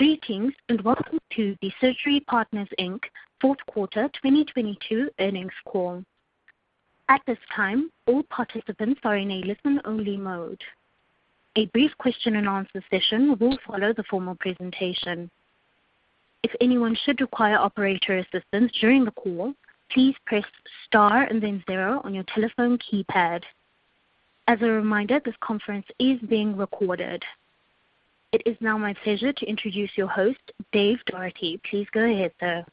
Greetings, and welcome to the Surgery Partners, Inc. Fourth Quarter 2022 Earnings Call. At this time, all participants are in a listen-only mode. A brief Question-and-Answer Session will follow the formal presentation. If anyone should require operator assistance during the call, please press Star and then 0 on your telephone keypad. As a reminder, this conference is being recorded. It is now my pleasure to introduce your host, Dave Dougherty. Please go ahead, sir.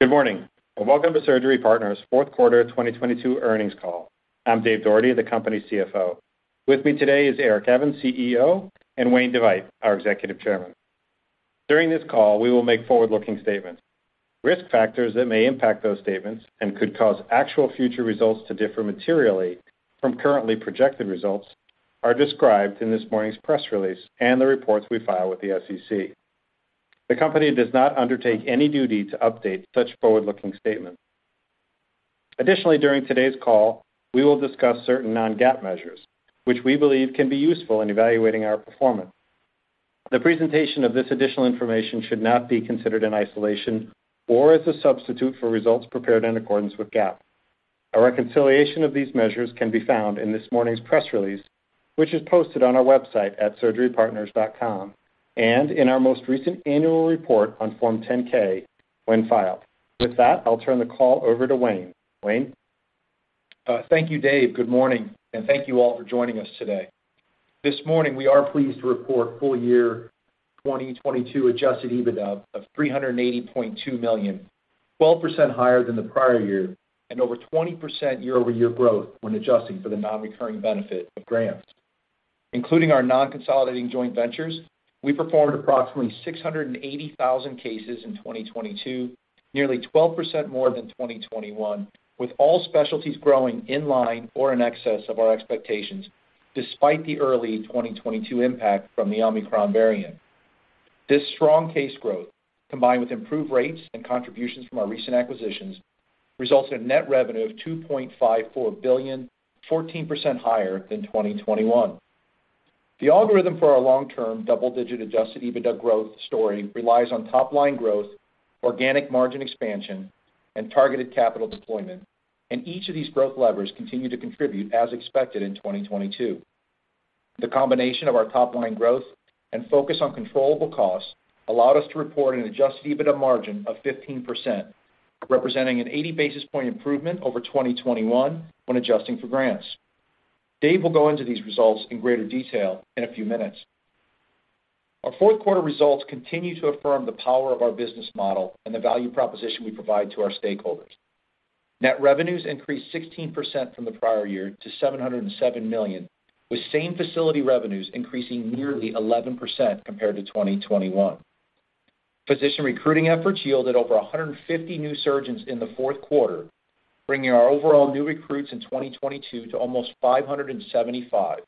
Good morning, and welcome to Surgery Partners' Fourth Quarter 2022 Earnings Call. I'm Dave Dougherty, the company's CFO. With me today is Eric Evans, CEO, and Wayne DeVeydt, our Executive Chairman. During this call, we will make forward-looking statements. Risk factors that may impact those statements and could cause actual future results to differ materially from currently projected results are described in this morning's press release and the reports we file with the SEC. The company does not undertake any duty to update such forward-looking statements. Additionally, during today's call, we will discuss certain non-GAAP measures which we believe can be useful in evaluating our performance. The presentation of this additional information should not be considered in isolation or as a substitute for results prepared in accordance with GAAP. A reconciliation of these measures can be found in this morning's press release, which is posted on our website at surgerypartners.com and in our most recent annual report on Form 10-K when filed. With that, I'll turn the call over to Wayne. Wayne? Thank you, Dave. Good morning, and thank you all for joining us today. This morning, we are pleased to report full year 2022 adjusted EBITDA of $380.2 million, 12% higher than the prior year, and over 20% year-over-year growth when adjusting for the non-recurring benefit of grants. Including our non-consolidating joint ventures, we performed approximately 680,000 cases in 2022, nearly 12% more than 2021, with all specialties growing in line or in excess of our expectations despite the early 2022 impact from the Omicron variant. This strong case growth, combined with improved rates and contributions from our recent acquisitions, results in net revenue of $2.54 billion, 14% higher than 2021. The algorithm for our long-term double-digit adjusted EBITDA growth story relies on top-line growth, organic margin expansion, and targeted capital deployment, each of these growth levers continue to contribute as expected in 2022. The combination of our top-line growth and focus on controllable costs allowed us to report an adjusted EBITDA margin of 15%, representing an 80 basis point improvement over 2021 when adjusting for grants. Dave will go into these results in greater detail in a few minutes. Our fourth quarter results continue to affirm the power of our business model and the value proposition we provide to our stakeholders. Net revenues increased 16% from the prior year to $707 million, with same facility revenues increasing nearly 11% compared to 2021. Physician recruiting efforts yielded over 150 new surgeons in the fourth quarter, bringing our overall new recruits in 2022 to almost 575.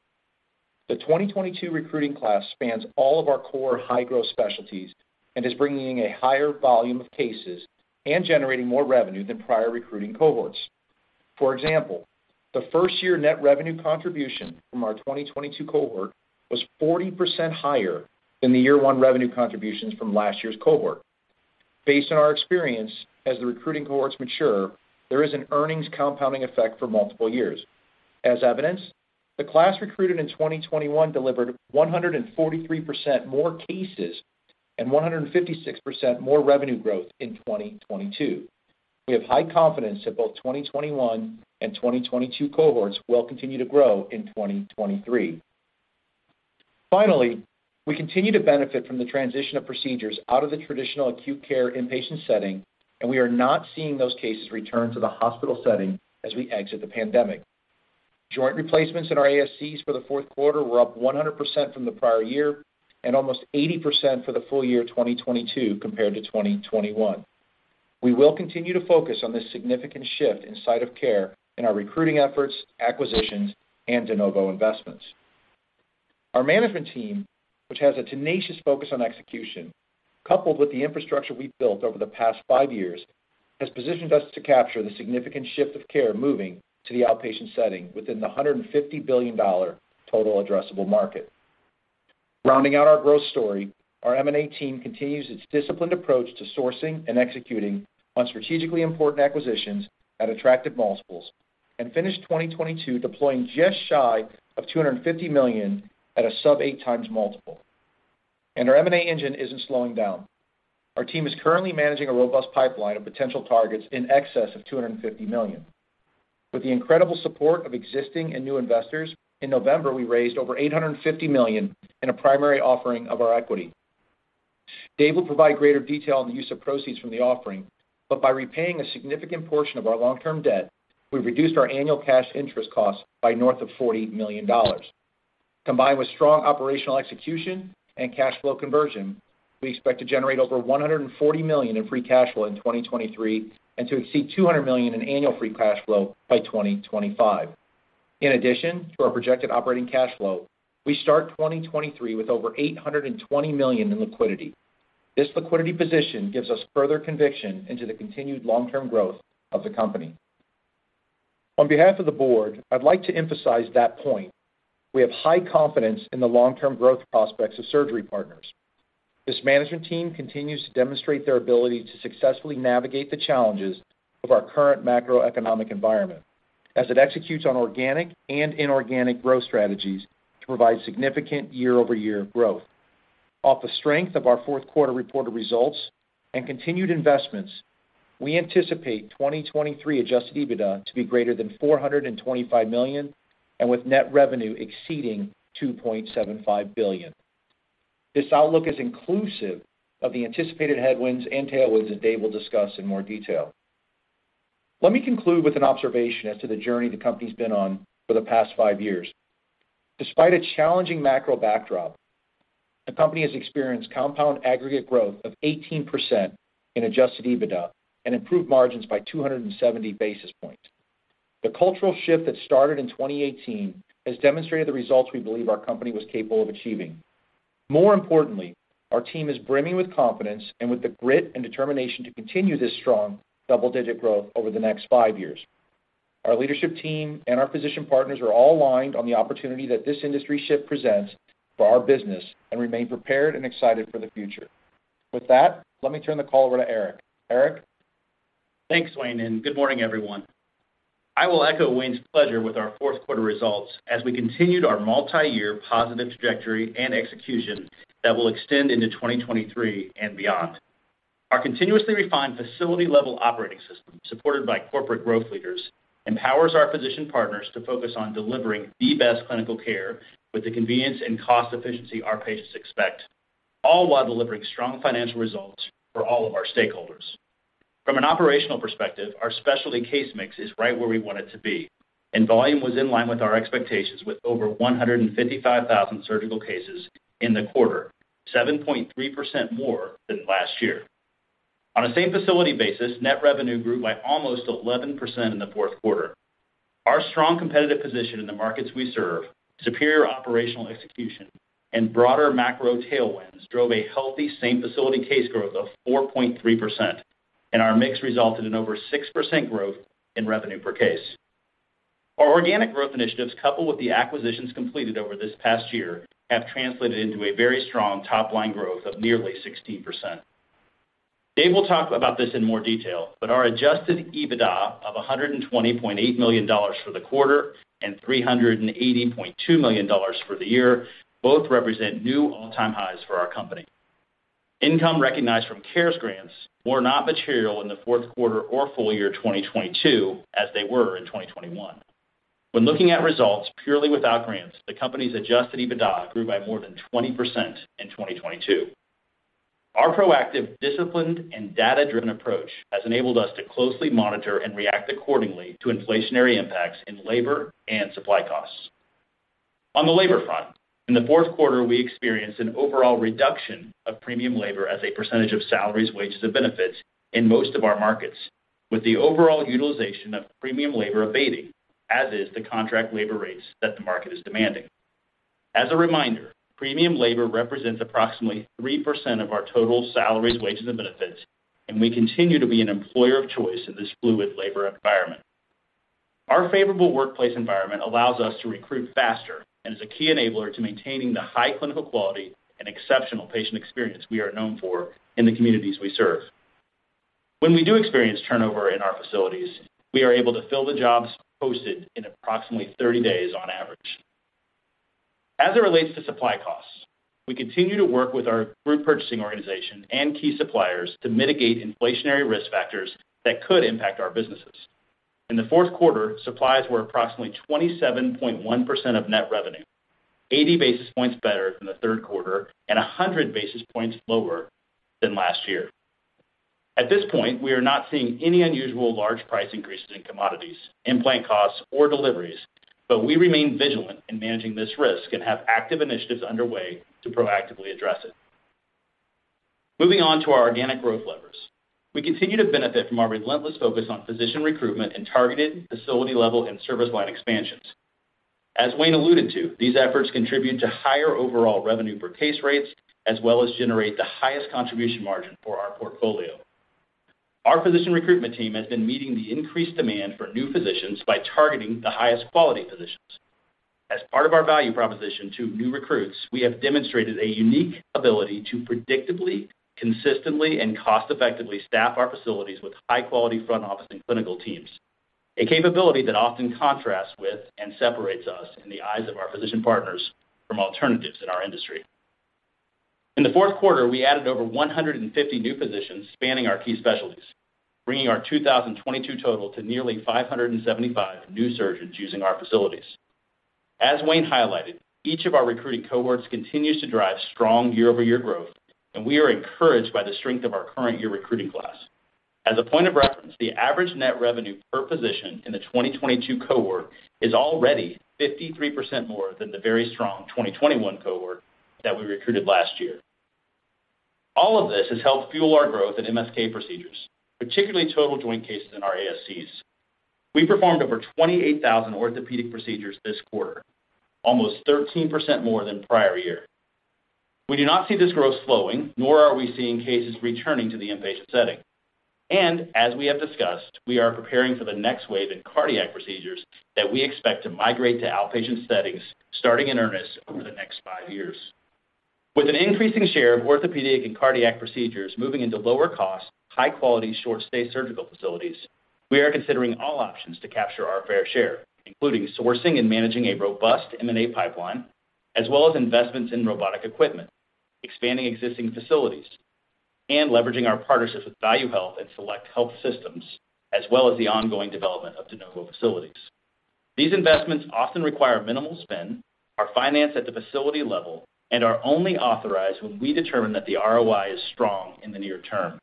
The 2022 recruiting class spans all of our core high-growth specialties and is bringing a higher volume of cases and generating more revenue than prior recruiting cohorts. For example, the first-year net revenue contribution from our 2022 cohort was 40% higher than the year one revenue contributions from last year's cohort. Based on our experience, as the recruiting cohorts mature, there is an earnings compounding effect for multiple years. As evidenced, the class recruited in 2021 delivered 143% more cases and 156% more revenue growth in 2022. We have high confidence that both 2021 and 2022 cohorts will continue to grow in 2023. Finally, we continue to benefit from the transition of procedures out of the traditional acute care inpatient setting. We are not seeing those cases return to the hospital setting as we exit the pandemic. Joint replacements in our ASCs for the fourth quarter were up 100% from the prior year and almost 80% for the full year 2022 compared to 2021. We will continue to focus on this significant shift in site of care in our recruiting efforts, acquisitions, and de novo investments. Our management team, which has a tenacious focus on execution, coupled with the infrastructure we've built over the past five years, has positioned us to capture the significant shift of care moving to the outpatient setting within the $150 billion total addressable market. Rounding out our growth story, our M&A team continues its disciplined approach to sourcing and executing on strategically important acquisitions at attractive multiples and finished 2022 deploying just shy of $250 million at a sub-8x multiple. Our M&A engine isn't slowing down. Our team is currently managing a robust pipeline of potential targets in excess of $250 million. With the incredible support of existing and new investors, in November, we raised over $850 million in a primary offering of our equity. Dave will provide greater detail on the use of proceeds from the offering, but by repaying a significant portion of our long-term debt, we've reduced our annual cash interest costs by north of $40 million. Combined with strong operational execution and cash flow conversion, we expect to generate over $140 million in free cash flow in 2023 and to exceed $200 million in annual free cash flow by 2025. In addition to our projected operating cash flow, we start 2023 with over $820 million in liquidity. This liquidity position gives us further conviction into the continued long-term growth of the company. On behalf of the board, I'd like to emphasize that point. We have high confidence in the long-term growth prospects of Surgery Partners. This management team continues to demonstrate their ability to successfully navigate the challenges of our current macroeconomic environment as it executes on organic and inorganic growth strategies to provide significant year-over-year growth. Off the strength of our fourth quarter reported results and continued investments, we anticipate 2023 adjusted EBITDA to be greater than $425 million, and with net revenue exceeding $2.75 billion. This outlook is inclusive of the anticipated headwinds and tailwinds that Dave Dougherty will discuss in more detail. Let me conclude with an observation as to the journey the company's been on for the past five years. Despite a challenging macro backdrop, the company has experienced compound aggregate growth of 18% in adjusted EBITDA and improved margins by 270 basis points. The cultural shift that started in 2018 has demonstrated the results we believe our company was capable of achieving. More importantly, our team is brimming with confidence and with the grit and determination to continue this strong double-digit growth over the next five years. Our leadership team and our physician partners are all aligned on the opportunity that this industry shift presents for our business and remain prepared and excited for the future. With that, let me turn the call over to Eric. Eric? Thanks, Wayne, good morning, everyone. I will echo Wayne's pleasure with our fourth quarter results as we continued our multiyear positive trajectory and execution that will extend into 2023 and beyond. Our continuously refined facility level operating system, supported by corporate growth leaders, empowers our physician partners to focus on delivering the best clinical care with the convenience and cost efficiency our patients expect, all while delivering strong financial results for all of our stakeholders. From an operational perspective, our specialty case mix is right where we want it to be, volume was in line with our expectations with over 155,000 surgical cases in the quarter, 7.3% more than last year. On a same facility basis, net revenue grew by almost 11% in the fourth quarter. Our strong competitive position in the markets we serve, superior operational execution, and broader macro tailwinds drove a healthy same facility case growth of 4.3%, and our mix resulted in over 6% growth in revenue per case. Our organic growth initiatives, coupled with the acquisitions completed over this past year, have translated into a very strong top-line growth of nearly 16%. Dave will talk about this in more detail, but our adjusted EBITDA of $120.8 million for the quarter and $380.2 million for the year, both represent new all-time highs for our company. Income recognized from CARES grants were not material in the fourth quarter or full year 2022 as they were in 2021. When looking at results purely without grants, the company's adjusted EBITDA grew by more than 20% in 2022. Our proactive, disciplined, and data-driven approach has enabled us to closely monitor and react accordingly to inflationary impacts in labor and supply costs. On the labor front, in the fourth quarter, we experienced an overall reduction of premium labor as a percentage of salaries, wages, and benefits in most of our markets, with the overall utilization of premium labor abating, as is the contract labor rates that the market is demanding. As a reminder, premium labor represents approximately 3% of our total salaries, wages, and benefits, and we continue to be an employer of choice in this fluid labor environment. Our favorable workplace environment allows us to recruit faster and is a key enabler to maintaining the high clinical quality and exceptional patient experience we are known for in the communities we serve. When we do experience turnover in our facilities, we are able to fill the jobs posted in approximately 30 days on average. As it relates to supply costs, we continue to work with our group purchasing organization and key suppliers to mitigate inflationary risk factors that could impact our businesses. In the fourth quarter, supplies were approximately 27.1% of net revenue, 80 basis points better than the third quarter and 100 basis points lower than last year. At this point, we are not seeing any unusual large price increases in commodities, implant costs, or deliveries, but we remain vigilant in managing this risk and have active initiatives underway to proactively address it. Moving on to our organic growth levers. We continue to benefit from our relentless focus on physician recruitment and targeted facility level and service line expansions. As Wayne alluded to, these efforts contribute to higher overall revenue per case rates as well as generate the highest contribution margin for our portfolio. Our physician recruitment team has been meeting the increased demand for new physicians by targeting the highest quality physicians. As part of our value proposition to new recruits, we have demonstrated a unique ability to predictably, consistently, and cost-effectively staff our facilities with high-quality front office and clinical teams, a capability that often contrasts with and separates us in the eyes of our physician partners from alternatives in our industry. In the fourth quarter, we added over 150 new physicians spanning our key specialties, bringing our 2022 total to nearly 575 new surgeons using our facilities. As Wayne highlighted, each of our recruiting cohorts continues to drive strong year-over-year growth, and we are encouraged by the strength of our current year recruiting class. As a point of reference, the average net revenue per physician in the 2022 cohort is already 53% more than the very strong 2021 cohort that we recruited last year. All of this has helped fuel our growth in MSK procedures, particularly total joint cases in our ASCs. We performed over 28,000 orthopedic procedures this quarter, almost 13% more than prior year. We do not see this growth slowing, nor are we seeing cases returning to the inpatient setting. As we have discussed, we are preparing for the next wave in cardiac procedures that we expect to migrate to outpatient settings, starting in earnest over the next five years. With an increasing share of orthopedic and cardiac procedures moving into lower cost, high-quality, short-stay surgical facilities, we are considering all options to capture our fair share, including sourcing and managing a robust M&A pipeline, as well as investments in robotic equipment, expanding existing facilities, and leveraging our partnerships with ValueHealth and select health systems, as well as the ongoing development of de novo facilities. These investments often require minimal spend, are financed at the facility level, and are only authorized when we determine that the ROI is strong in the near term.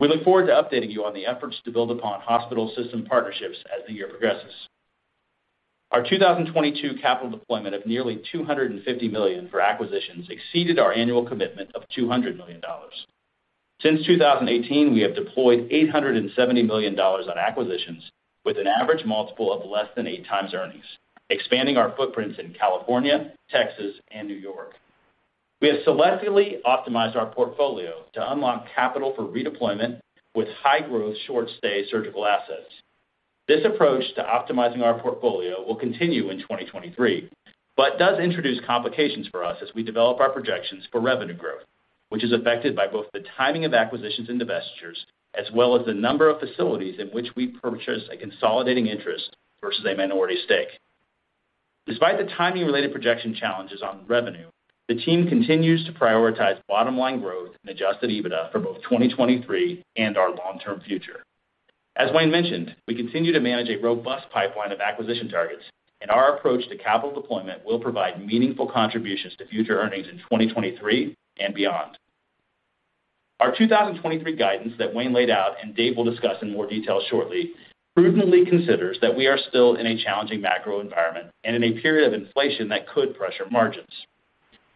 We look forward to updating you on the efforts to build upon hospital system partnerships as the year progresses. Our 2022 capital deployment of nearly $250 million for acquisitions exceeded our annual commitment of $200 million. Since 2018, we have deployed $870 million on acquisitions with an average multiple of less than 8x earnings, expanding our footprints in California, Texas, and New York. We have selectively optimized our portfolio to unlock capital for redeployment with high-growth, short-stay surgical assets. This approach to optimizing our portfolio will continue in 2023, but does introduce complications for us as we develop our projections for revenue growth, which is affected by both the timing of acquisitions and divestitures, as well as the number of facilities in which we purchase a consolidating interest versus a minority stake. Despite the timing-related projection challenges on revenue, the team continues to prioritize bottom-line growth and adjusted EBITDA for both 2023 and our long-term future. As Wayne mentioned, we continue to manage a robust pipeline of acquisition targets, and our approach to capital deployment will provide meaningful contributions to future earnings in 2023 and beyond. Our 2023 guidance that Wayne laid out, and Dave will discuss in more detail shortly, prudently considers that we are still in a challenging macro environment and in a period of inflation that could pressure margins.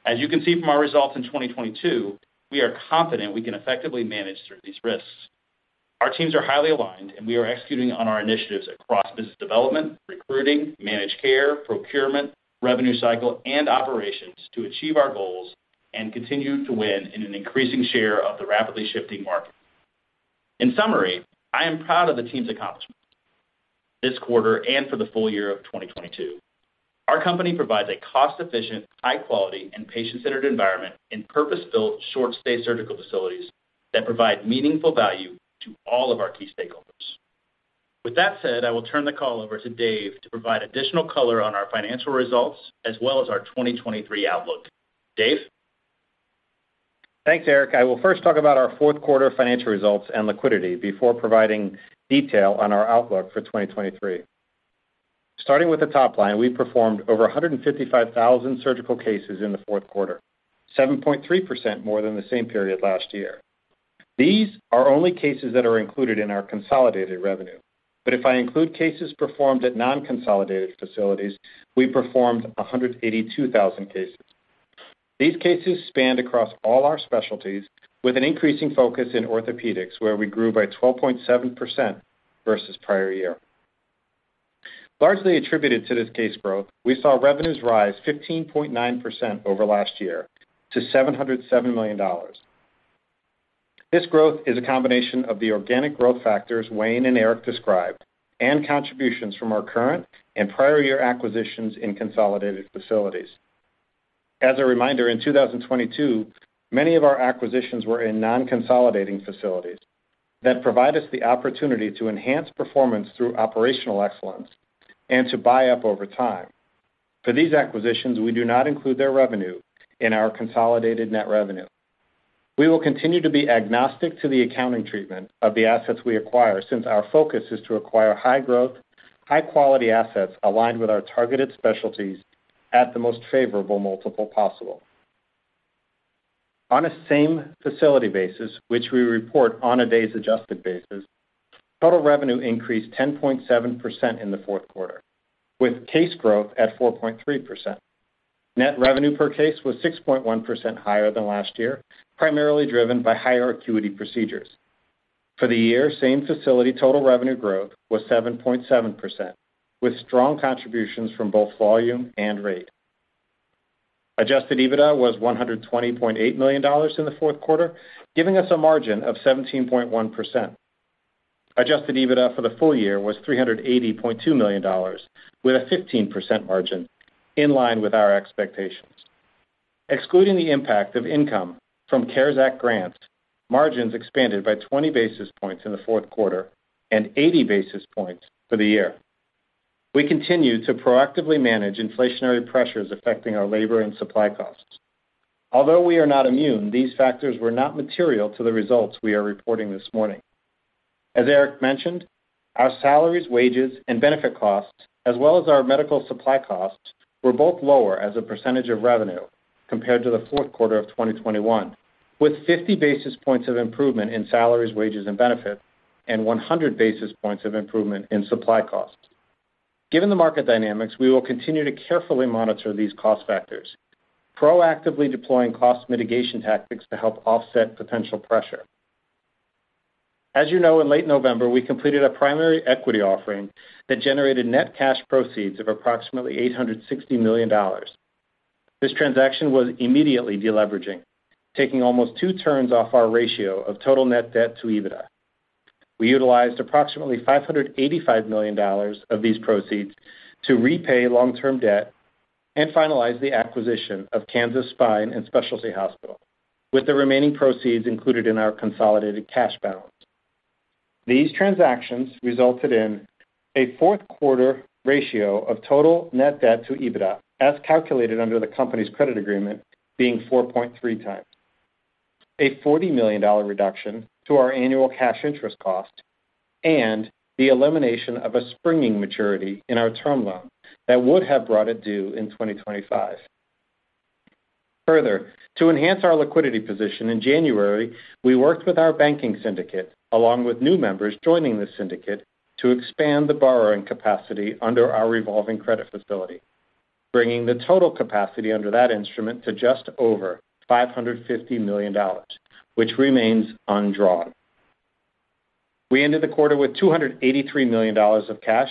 As you can see from our results in 2022, we are confident we can effectively manage through these risks. Our teams are highly aligned. We are executing on our initiatives across business development, recruiting, managed care, procurement, revenue cycle, and operations to achieve our goals and continue to win in an increasing share of the rapidly shifting market. In summary, I am proud of the team's accomplishments this quarter and for the full year of 2022. Our company provides a cost-efficient, high-quality, and patient-centered environment in purpose-built, short-stay surgical facilities that provide meaningful value to all of our key stakeholders. With that said, I will turn the call over to Dave to provide additional color on our financial results as well as our 2023 outlook. Dave? Thanks, Eric. I will first talk about our fourth quarter financial results and liquidity before providing detail on our outlook for 2023. Starting with the top line, we performed over 155,000 surgical cases in the fourth quarter, 7.3% more than the same period last year. If I include cases performed at non-consolidated facilities, we performed 182,000 cases. These cases spanned across all our specialties with an increasing focus in orthopedics, where we grew by 12.7% versus prior year. Largely attributed to this case growth, we saw revenues rise 15.9% over last year to $707 million. This growth is a combination of the organic growth factors Wayne and Eric described and contributions from our current and prior year acquisitions in consolidated facilities. As a reminder, in 2022, many of our acquisitions were in non-consolidating facilities that provide us the opportunity to enhance performance through operational excellence and to buy up over time. For these acquisitions, we do not include their revenue in our consolidated net revenue. We will continue to be agnostic to the accounting treatment of the assets we acquire, since our focus is to acquire high-growth, high-quality assets aligned with our targeted specialties at the most favorable multiple possible. On a same facility basis, which we report on a days adjusted basis, total revenue increased 10.7% in the fourth quarter, with case growth at 4.3%. Net revenue per case was 6.1% higher than last year, primarily driven by higher acuity procedures. For the year, same facility total revenue growth was 7.7%, with strong contributions from both volume and rate. Adjusted EBITDA was $120.8 million in the fourth quarter, giving us a margin of 17.1%. Adjusted EBITDA for the full year was $380.2 million, with a 15% margin, in line with our expectations. Excluding the impact of income from CARES Act grants, margins expanded by 20 basis points in the fourth quarter and 80 basis points for the year. We continue to proactively manage inflationary pressures affecting our labor and supply costs. Although we are not immune, these factors were not material to the results we are reporting this morning. As Eric mentioned, our salaries, wages, and benefit costs, as well as our medical supply costs, were both lower as a percentage of revenue compared to the fourth quarter of 2021, with 50 basis points of improvement in salaries, wages, and benefits and 100 basis points of improvement in supply costs. Given the market dynamics, we will continue to carefully monitor these cost factors, proactively deploying cost mitigation tactics to help offset potential pressure. As you know, in late November, we completed a primary equity offering that generated net cash proceeds of approximately $860 million. This transaction was immediately deleveraging, taking almost two turns off our ratio of total net debt to EBITDA. We utilized approximately $585 million of these proceeds to repay long-term debt and finalize the acquisition of Kansas Spine & Specialty Hospital, with the remaining proceeds included in our consolidated cash balance. These transactions resulted in a fourth-quarter ratio of total net debt to EBITDA, as calculated under the company's credit agreement, being 4.3x, a $40 million reduction to our annual cash interest cost, and the elimination of a springing maturity in our term loan that would have brought it due in 2025. To enhance our liquidity position, in January, we worked with our banking syndicate, along with new members joining the syndicate, to expand the borrowing capacity under our revolving credit facility, bringing the total capacity under that instrument to just over $550 million, which remains undrawn. We ended the quarter with $283 million of cash.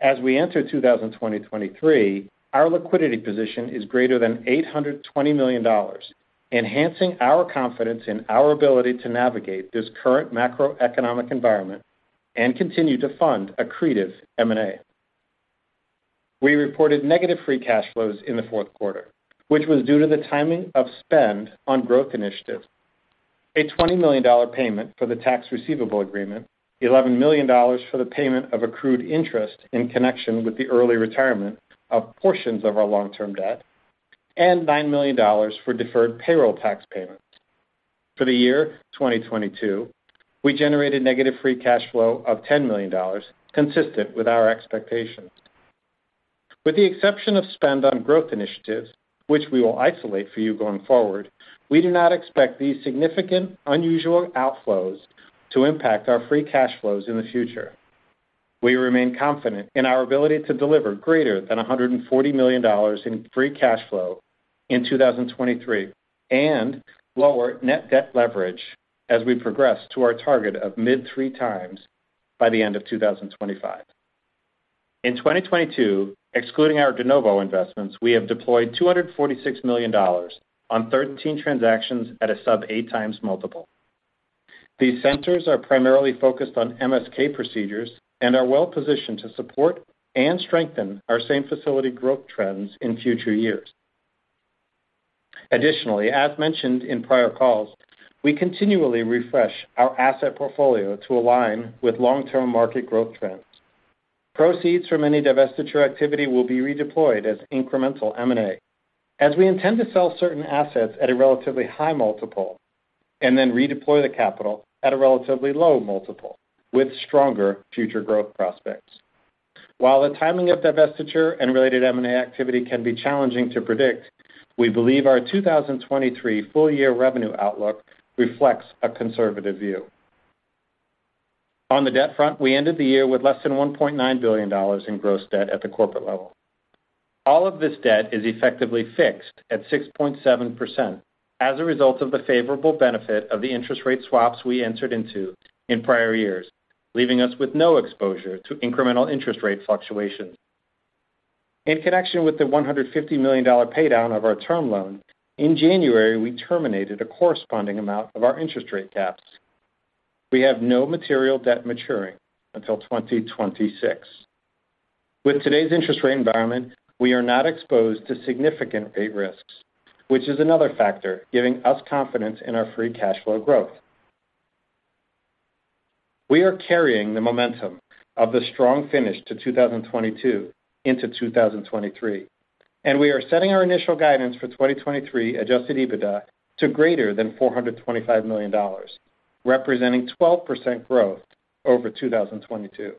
As we enter 2023, our liquidity position is greater than $820 million, enhancing our confidence in our ability to navigate this current macroeconomic environment and continue to fund accretive M&A. We reported negative free cash flows in the fourth quarter, which was due to the timing of spend on growth initiatives, a $20 million payment for the Tax Receivable Agreement, $11 million for the payment of accrued interest in connection with the early retirement of portions of our long-term debt, and $9 million for deferred payroll tax payments. For the year 2022, we generated negative free cash flow of $10 million, consistent with our expectations. With the exception of spend on growth initiatives, which we will isolate for you going forward, we do not expect these significant unusual outflows to impact our free cash flows in the future. We remain confident in our ability to deliver greater than $140 million in free cash flow in 2023 and lower net debt leverage as we progress to our target of mid 3x by the end of 2025. In 2022, excluding our de novo investments, we have deployed $246 million on 13 transactions at a sub 8x multiple. These centers are primarily focused on MSK procedures and are well-positioned to support and strengthen our same-facility growth trends in future years. Additionally, as mentioned in prior calls, we continually refresh our asset portfolio to align with long-term market growth trends. Proceeds from any divestiture activity will be redeployed as incremental M&A, as we intend to sell certain assets at a relatively high multiple and then redeploy the capital at a relatively low multiple with stronger future growth prospects. While the timing of divestiture and related M&A activity can be challenging to predict, we believe our 2023 full-year revenue outlook reflects a conservative view. On the debt front, we ended the year with less than $1.9 billion in gross debt at the corporate level. All of this debt is effectively fixed at 6.7% as a result of the favorable benefit of the interest rate swaps we entered into in prior years, leaving us with no exposure to incremental interest rate fluctuations. In connection with the $150 million paydown of our term loan, in January we terminated a corresponding amount of our interest rate caps. We have no material debt maturing until 2026. With today's interest rate environment, we are not exposed to significant rate risks, which is another factor giving us confidence in our free cash flow growth. We are carrying the momentum of the strong finish to 2022 into 2023, and we are setting our initial guidance for 2023 adjusted EBITDA to greater than $425 million, representing 12% growth over 2022.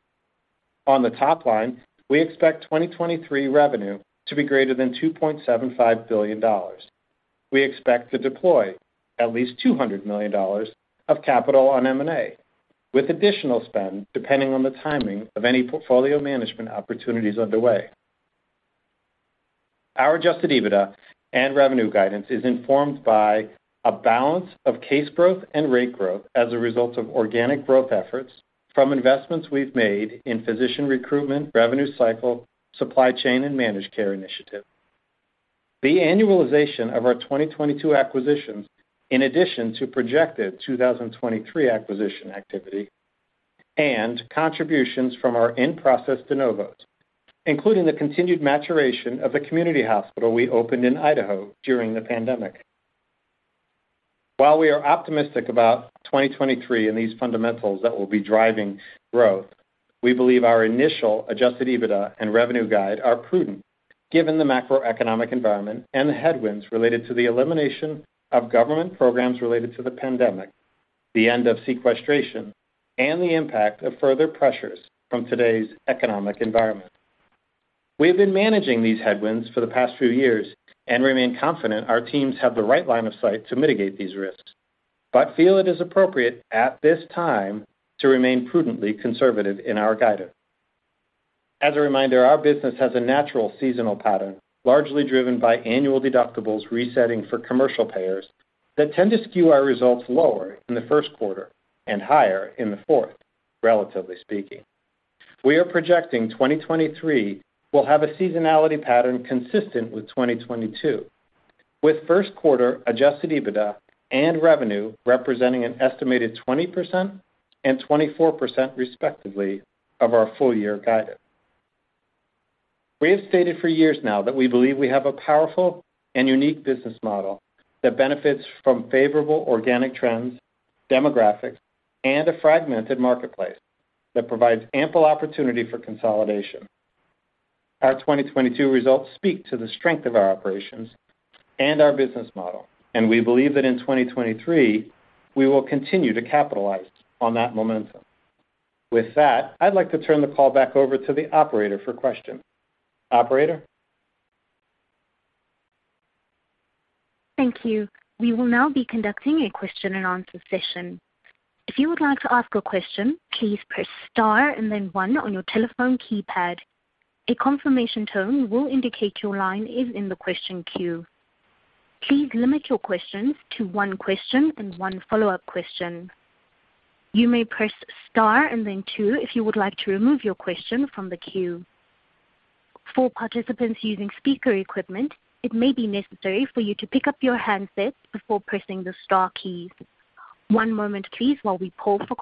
On the top line, we expect 2023 revenue to be greater than $2.75 billion. We expect to deploy at least $200 million of capital on M&A, with additional spend depending on the timing of any portfolio management opportunities underway. Our adjusted EBITDA and revenue guidance is informed by a balance of case growth and rate growth as a result of organic growth efforts from investments we've made in physician recruitment, revenue cycle, supply chain, and managed care initiatives. The annualization of our 2022 acquisitions, in addition to projected 2023 acquisition activity and contributions from our in-process de novos, including the continued maturation of the community hospital we opened in Idaho during the pandemic. While we are optimistic about 2023 and these fundamentals that will be driving growth, we believe our initial adjusted EBITDA and revenue guide are prudent given the macroeconomic environment and the headwinds related to the elimination of government programs related to the pandemic, the end of sequestration, and the impact of further pressures from today's economic environment. We have been managing these headwinds for the past few years and remain confident our teams have the right line of sight to mitigate these risks. I feel it is appropriate at this time to remain prudently conservative in our guidance. As a reminder, our business has a natural seasonal pattern, largely driven by annual deductibles resetting for commercial payers that tend to skew our results lower in the first quarter and higher in the fourth, relatively speaking. We are projecting 2023 will have a seasonality pattern consistent with 2022, with first quarter adjusted EBITDA and revenue representing an estimated 20% and 24% respectively of our full-year guidance. We have stated for years now that we believe we have a powerful and unique business model that benefits from favorable organic trends, demographics, and a fragmented marketplace that provides ample opportunity for consolidation. Our 2022 results speak to the strength of our operations and our business model, and we believe that in 2023 we will continue to capitalize on that momentum. With that, I'd like to turn the call back over to the operator for questions. Operator? Thank you. We will now be conducting a question and answer session. If you would like to ask a question, please press star and then one on your telephone keypad. A confirmation tone will indicate your line is in the question queue. Please limit your questions to one question and one follow-up question. You may press star and then two if you would like to remove your question from the queue. For participants using speaker equipment, it may be necessary for you to pick up your handsets before pressing the star key. One moment, please, while we call for...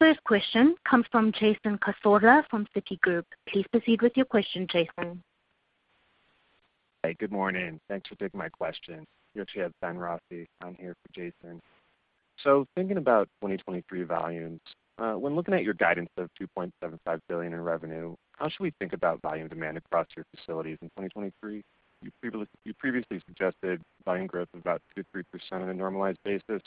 The first question comes from Jason Cassorla from Citigroup. Please proceed with your question, Jason. Hey, good morning. Thanks for taking my question. You actually have Ben Rossi on here for Jason. Thinking about 2023 volumes, when looking at your guidance of $2.75 billion in revenue, how should we think about volume demand across your facilities in 2023? You previously suggested volume growth of about 2%-3% on a normalized basis,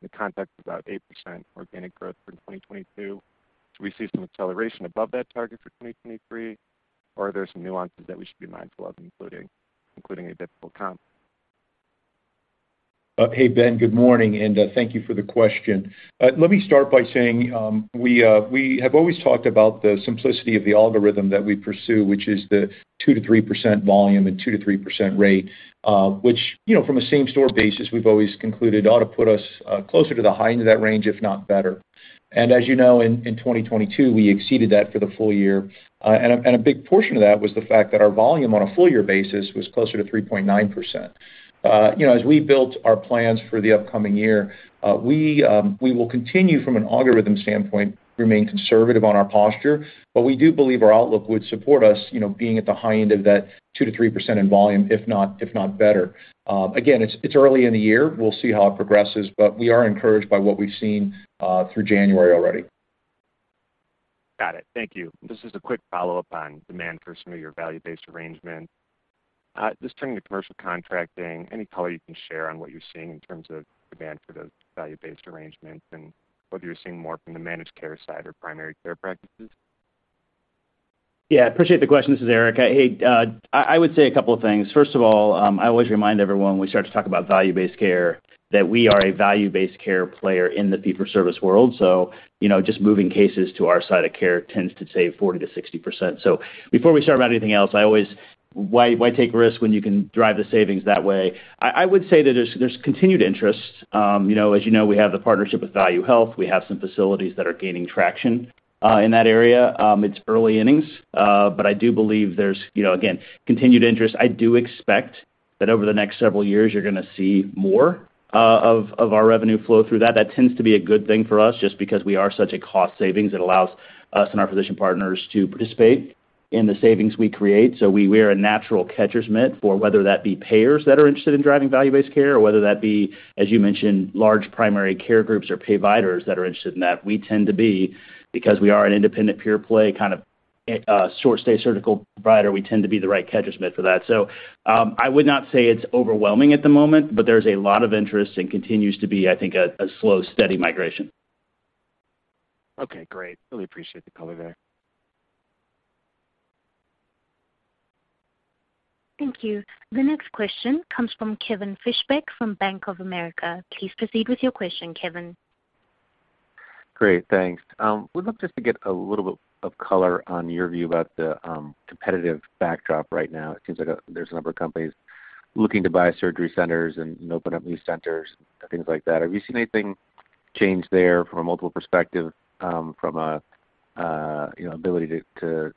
but the context is about 8% organic growth for 2022. Do we see some acceleration above that target for 2023? Or are there some nuances that we should be mindful of, including a difficult comp? Hey, Ben. Good morning, and thank you for the question. Let me start by saying, we have always talked about the simplicity of the algorithm that we pursue, which is the 2%-3% volume and 2%-3% rate, which, you know, from a same store basis, we've always concluded ought to put us closer to the high end of that range, if not better. As you know, in 2022, we exceeded that for the full year. A big portion of that was the fact that our volume on a full-year basis was closer to 3.9%. you know, as we built our plans for the upcoming year, we will continue from an algorithm standpoint, remain conservative on our posture, but we do believe our outlook would support us, you know, being at the high end of that 2%-3% in volume, if not better. Again, it's early in the year. We'll see how it progresses, but we are encouraged by what we've seen, through January already. Got it. Thank you. This is a quick follow-up on demand for some of your value-based arrangements. Just turning to commercial contracting, any color you can share on what you're seeing in terms of demand for those value-based arrangements and whether you're seeing more from the managed care side or primary care practices? Yeah, I appreciate the question. This is Eric. Hey, I would say a couple of things. First of all, I always remind everyone when we start to talk about value-based care that we are a value-based care player in the fee for service world. You know, just moving cases to our side of care tends to save 40%-60%. Before we start about anything else, why take risks when you can drive the savings that way? I would say that there's continued interest. You know, as you know, we have the partnership with ValueHealth. We have some facilities that are gaining traction in that area. It's early innings, I do believe there's, you know, again, continued interest. I do expect that over the next several years you're gonna see more of our revenue flow through that. That tends to be a good thing for us just because we are such a cost savings. It allows us and our physician partners to participate in the savings we create. We're a natural catcher's mitt for whether that be payers that are interested in driving value-based care or whether that be, as you mentioned, large primary care groups or providers that are interested in that. We tend to be, because we are an independent peer play, kind of short stay surgical provider, we tend to be the right catcher's mitt for that. I would not say it's overwhelming at the moment, but there's a lot of interest and continues to be, I think, a slow, steady migration. Okay, great. Really appreciate the color there. Thank you. The next question comes from Kevin Fischbeck from Bank of America. Please proceed with your question, Kevin. Great, thanks. Would love just to get a little bit of color on your view about the competitive backdrop right now. It seems like there's a number of companies looking to buy surgery centers and open up new centers and things like that. Have you seen anything change there from a multiple perspective, from ability to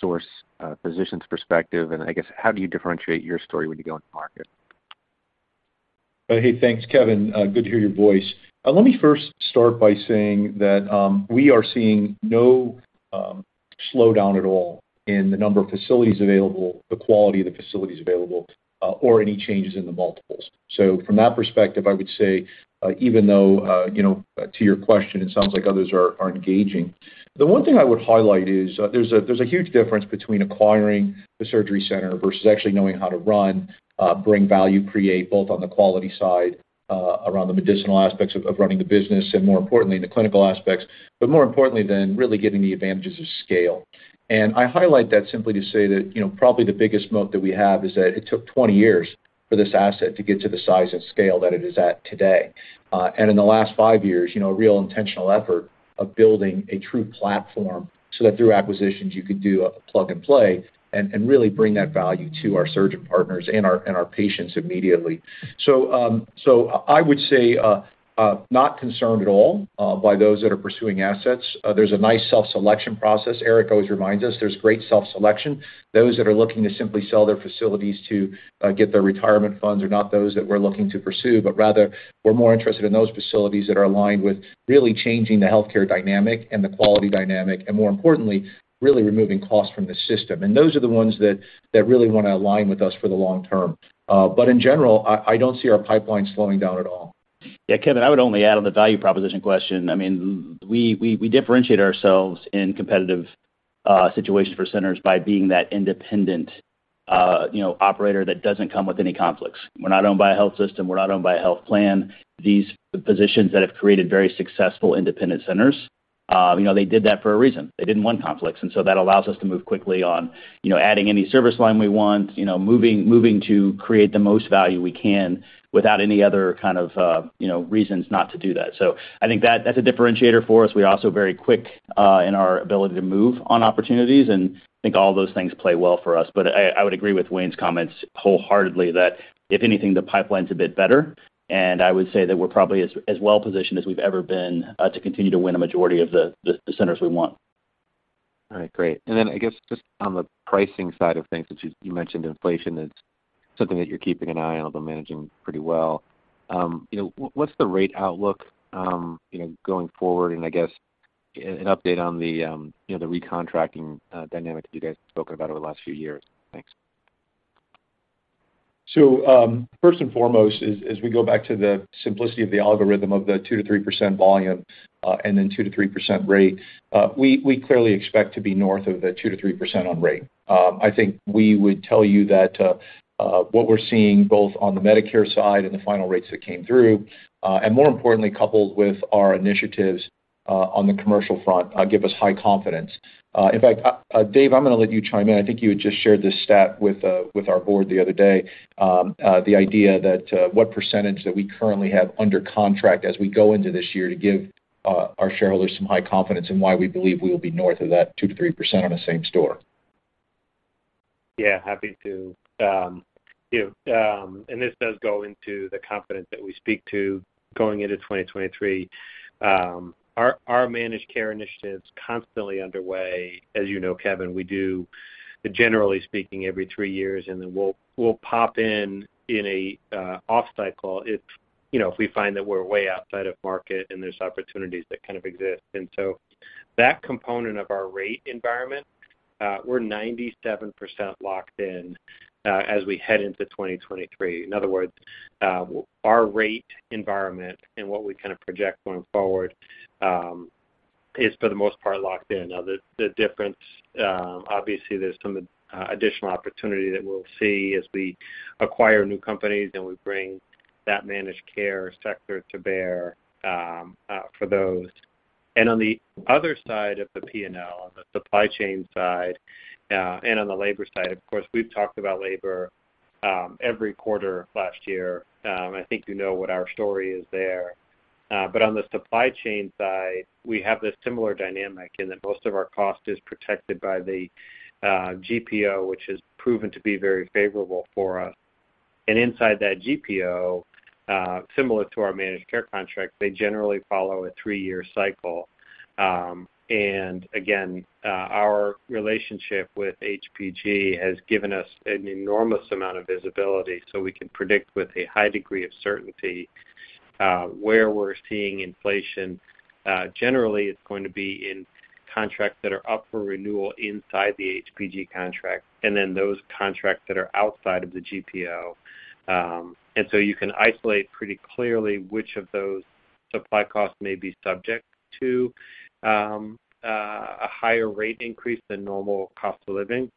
source a physician's perspective? I guess, how do you differentiate your story when you go into market? Hey, thanks, Kevin. Good to hear your voice. Let me first start by saying that we are seeing no slowdown at all in the number of facilities available, the quality of the facilities available, or any changes in the multiples. From that perspective, I would say, even though, you know, to your question, it sounds like others are engaging. The one thing I would highlight is there's a huge difference between acquiring the surgery center versus actually knowing how to run, bring value, create both on the quality side, around the medicinal aspects of running the business, and more importantly, the clinical aspects, but more importantly than really getting the advantages of scale. I highlight that simply to say that, you know, probably the biggest moat that we have is that it took 20 years For this asset to get to the size and scale that it is at today. And in the last five years, you know, a real intentional effort of building a true platform so that through acquisitions, you could do a plug-and-play and really bring that value to our surgeon partners and our patients immediately. I would say not concerned at all by those that are pursuing assets. There's a nice self-selection process. Eric always reminds us there's great self-selection. Those that are looking to simply sell their facilities to get their retirement funds are not those that we're looking to pursue, but rather, we're more interested in those facilities that are aligned with really changing the healthcare dynamic and the quality dynamic, and more importantly, really removing costs from the system. Those are the ones that really wanna align with us for the long term. In general, I don't see our pipeline slowing down at all. Yeah, Kevin, I would only add on the value proposition question. I mean, we differentiate ourselves in competitive situations for centers by being that independent, you know, operator that doesn't come with any conflicts. We're not owned by a health system. We're not owned by a health plan. These positions that have created very successful independent centers, you know, they did that for a reason. They didn't want conflicts. That allows us to move quickly on, you know, adding any service line we want, you know, moving to create the most value we can without any other kind of, you know, reasons not to do that. I think that's a differentiator for us. We're also very quick in our ability to move on opportunities, and I think all those things play well for us. I would agree with Wayne's comments wholeheartedly that if anything, the pipeline's a bit better. I would say that we're probably as well positioned as we've ever been to continue to win a majority of the centers we want. All right, great. I guess just on the pricing side of things, since you mentioned inflation, it's something that you're keeping an eye on, but managing pretty well. You know, what's the rate outlook, you know, going forward? I guess an update on the, you know, the re-contracting dynamic that you guys have spoken about over the last few years? Thanks. First and foremost is we go back to the simplicity of the algorithm of the 2%-3% volume, and then 2%-3% rate. We clearly expect to be north of the 2%-3% on rate. I think we would tell you that, what we're seeing both on the Medicare side and the final rates that came through, and more importantly, coupled with our initiatives, on the commercial front, give us high confidence. In fact, Dave, I'm gonna let you chime in. I think you had just shared this stat with our board the other day, the idea that, what percentage that we currently have under contract as we go into this year to give, our shareholders some high confidence in why we believe we will be north of that 2%-3% on the same store. Yeah, happy to. Yeah, this does go into the confidence that we speak to going into 2023. Our, our managed care initiative's constantly underway. As you know, Kevin, we do, generally speaking, every three years, then we'll pop in in an off cycle if, you know, if we find that we're way outside of market and there's opportunities that kind of exist. That component of our rate environment, we're 97% locked in, as we head into 2023. In other words, our rate environment and what we kind of project going forward, is for the most part locked in. The difference, obviously there's some additional opportunity that we'll see as we acquire new companies, and we bring that managed care sector to bear, for those. On the other side of the P&L, on the supply chain side, and on the labor side, of course, we've talked about labor every quarter last year. I think you know what our story is there. But on the supply chain side, we have this similar dynamic in that most of our cost is protected by the GPO, which has proven to be very favorable for us. Inside that GPO, similar to our managed care contract, they generally follow a three-year cycle. Again, our relationship with HPG has given us an enormous amount of visibility, so we can predict with a high degree of certainty, where we're seeing inflation. Generally, it's going to be in contracts that are up for renewal inside the HPG contract and then those contracts that are outside of the GPO. You can isolate pretty clearly which of those supply costs may be subject to a higher rate increase than normal cost of living.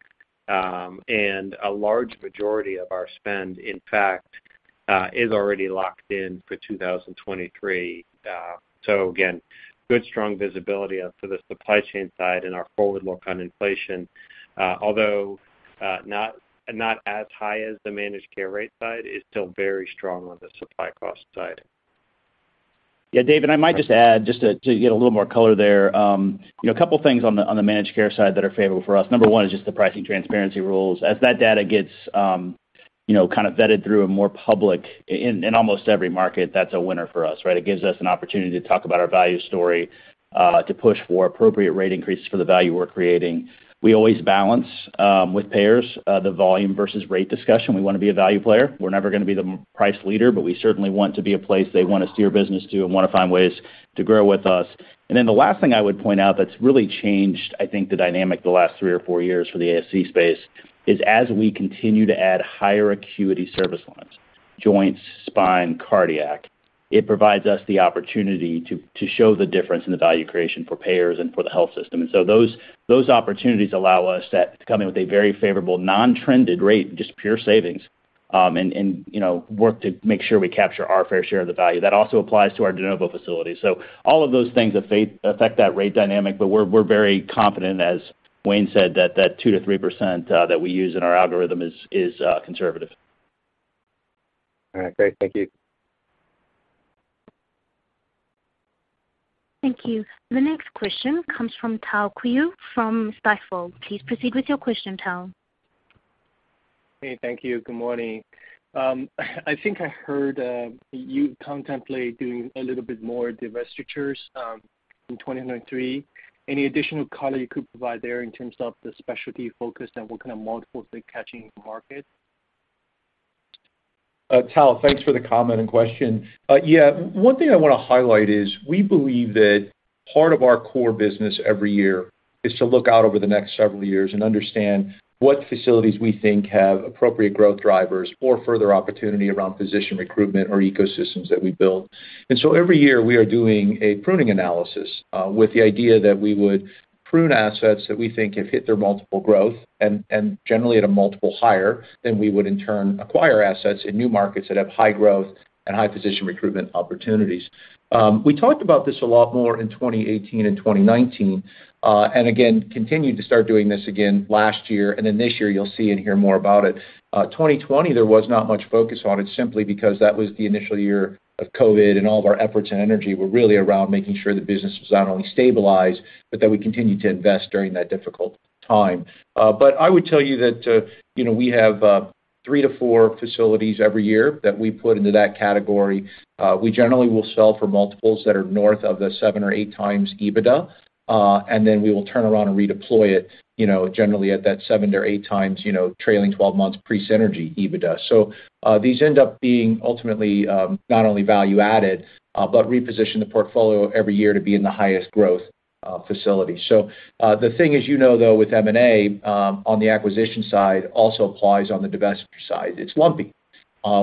A large majority of our spend, in fact, is already locked in for 2023. Again, good strong visibility for the supply chain side and our forward look on inflation, although not as high as the managed care rate side, it's still very strong on the supply cost side. Yeah, Dave, I might just add, to get a little more color there. You know, a couple things on the managed care side that are favorable for us. Number one is just the pricing transparency rules. As that data gets, you know, kind of vetted through a more public in almost every market, that's a winner for us, right? It gives us an opportunity to talk about our value story, to push for appropriate rate increases for the value we're creating. We always balance with payers the volume versus rate discussion. We wanna be a value player. We're never gonna be the price leader, we certainly want to be a place they wanna steer business to and wanna find ways to grow with us. The last thing I would point out that's really changed, I think, the dynamic the last three or four years for the ASC space is as we continue to add higher acuity service lines, joints, spine, cardiac, it provides us the opportunity to show the difference in the value creation for payers and for the health system. Those, those opportunities allow us that to come in with a very favorable non-trended rate, just pure savings, and, you know, work to make sure we capture our fair share of the value. That also applies to our de novo facilities. All of those things affect that rate dynamic, but we're very confident, as Wayne said, that that 2% to 3% that we use in our algorithm is conservative. All right, great. Thank you. Thank you. The next question comes from Tao Qiu from Stifel. Please proceed with your question, Tao. Hey, thank you. Good morning. I think I heard you contemplate doing a little bit more divestitures in 2023. Any additional color you could provide there in terms of the specialty focus and what kind of multiples they're catching in the market? Tao, thanks for the comment and question. One thing I want to highlight is we believe that part of our core business every year is to look out over the next several years and understand what facilities we think have appropriate growth drivers or further opportunity around physician recruitment or ecosystems that we build. Every year, we are doing a pruning analysis with the idea that we would prune assets that we think have hit their multiple growth and generally at a multiple higher than we would, in turn, acquire assets in new markets that have high growth and high physician recruitment opportunities. We talked about this a lot more in 2018 and 2019. Again, continued to start doing this again last year. This year you'll see and hear more about it. 2020, there was not much focus on it simply because that was the initial year of COVID, and all of our efforts and energy were really around making sure the business was not only stabilized but that we continued to invest during that difficult time. But I would tell you that, you know, we have three to four facilities every year that we put into that category. We generally will sell for multiples that are north of the 7x or 8x EBITDA, and then we will turn around and redeploy it, you know, generally at that 7x to 8x, you know, trailing twelve months pre-synergy EBITDA. These end up being ultimately, not only value added, but reposition the portfolio every year to be in the highest growth facility. The thing is, you know, though, with M&A, on the acquisition side also applies on the divestiture side, it's lumpy.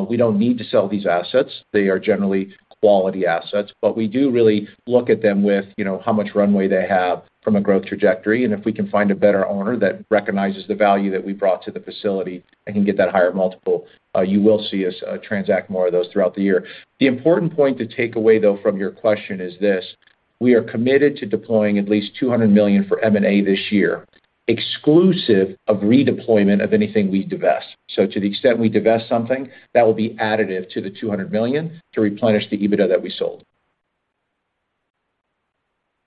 We don't need to sell these assets. They are generally quality assets, but we do really look at them with, you know, how much runway they have from a growth trajectory, and if we can find a better owner that recognizes the value that we brought to the facility and can get that higher multiple, you will see us transact more of those throughout the year. The important point to take away, though, from your question is this: We are committed to deploying at least $200 million for M&A this year, exclusive of redeployment of anything we divest. To the extent we divest something, that will be additive to the $200 million to replenish the EBITDA that we sold.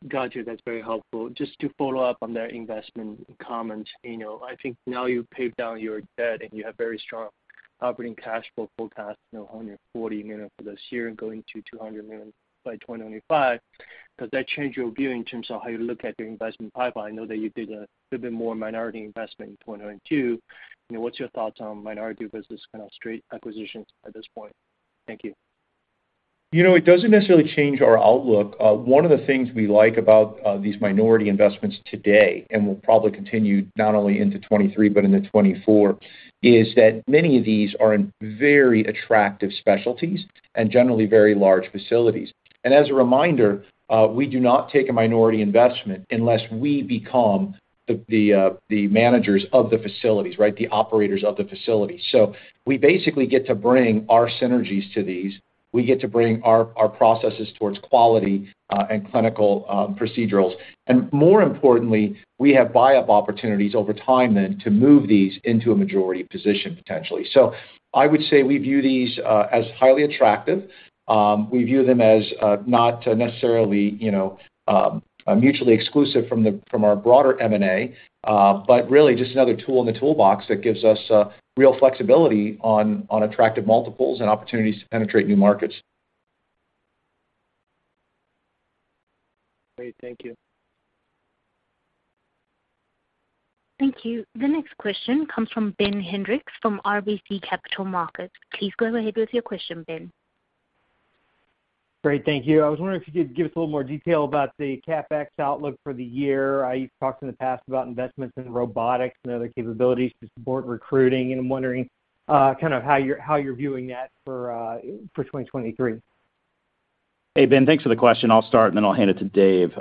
Got you. That's very helpful. Just to follow up on the investment comments. You know, I think now you've paid down your debt, and you have very strong operating cash flow forecast, you know, $140 million for this year and going to $200 million by 2025. Does that change your view in terms of how you look at your investment pipeline? I know that you did a little bit more minority investment in 2022. You know, what's your thoughts on minority business kind of straight acquisitions at this point? Thank you. You know, it doesn't necessarily change our outlook. One of the things we like about these minority investments today, and will probably continue not only into 2023 but into 2024, is that many of these are in very attractive specialties and generally very large facilities. As a reminder, we do not take a minority investment unless we become the managers of the facilities, right? The operators of the facility. We basically get to bring our synergies to these. We get to bring our processes towards quality, and clinical procedurals. More importantly, we have buy-up opportunities over time then to move these into a majority position potentially. I would say we view these as highly attractive. We view them as not necessarily, you know, mutually exclusive from our broader M&A, but really just another tool in the toolbox that gives us real flexibility on attractive multiples and opportunities to penetrate new markets. Great. Thank you. Thank you. The next question comes from Ben Hendrix from RBC Capital Markets. Please go ahead with your question, Ben. Great. Thank you. I was wondering if you could give us a little more detail about the CapEx outlook for the year? You've talked in the past about investments in robotics and other capabilities to support recruiting, and I'm wondering kinda how you're viewing that for 2023? Hey, Ben, thanks for the question. I'll start, and then I'll hand it to Dave.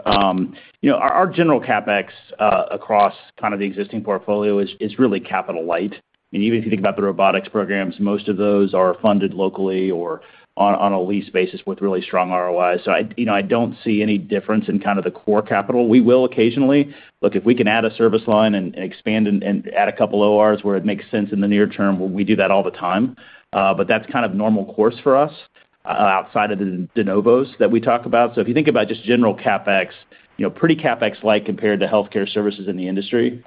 you know, our general CapEx across kind of the existing portfolio is really capital light. Even if you think about the robotics programs, most of those are funded locally or on a lease basis with really strong ROIs. I, you know, I don't see any difference in kind of the core capital. We will occasionally. Look, if we can add a service line and expand and add a couple ORs where it makes sense in the near term, we do that all the time. but that's kind of normal course for us outside of the de novos that we talk about. If you think about just general CapEx, you know, pretty CapEx light compared to healthcare services in the industry.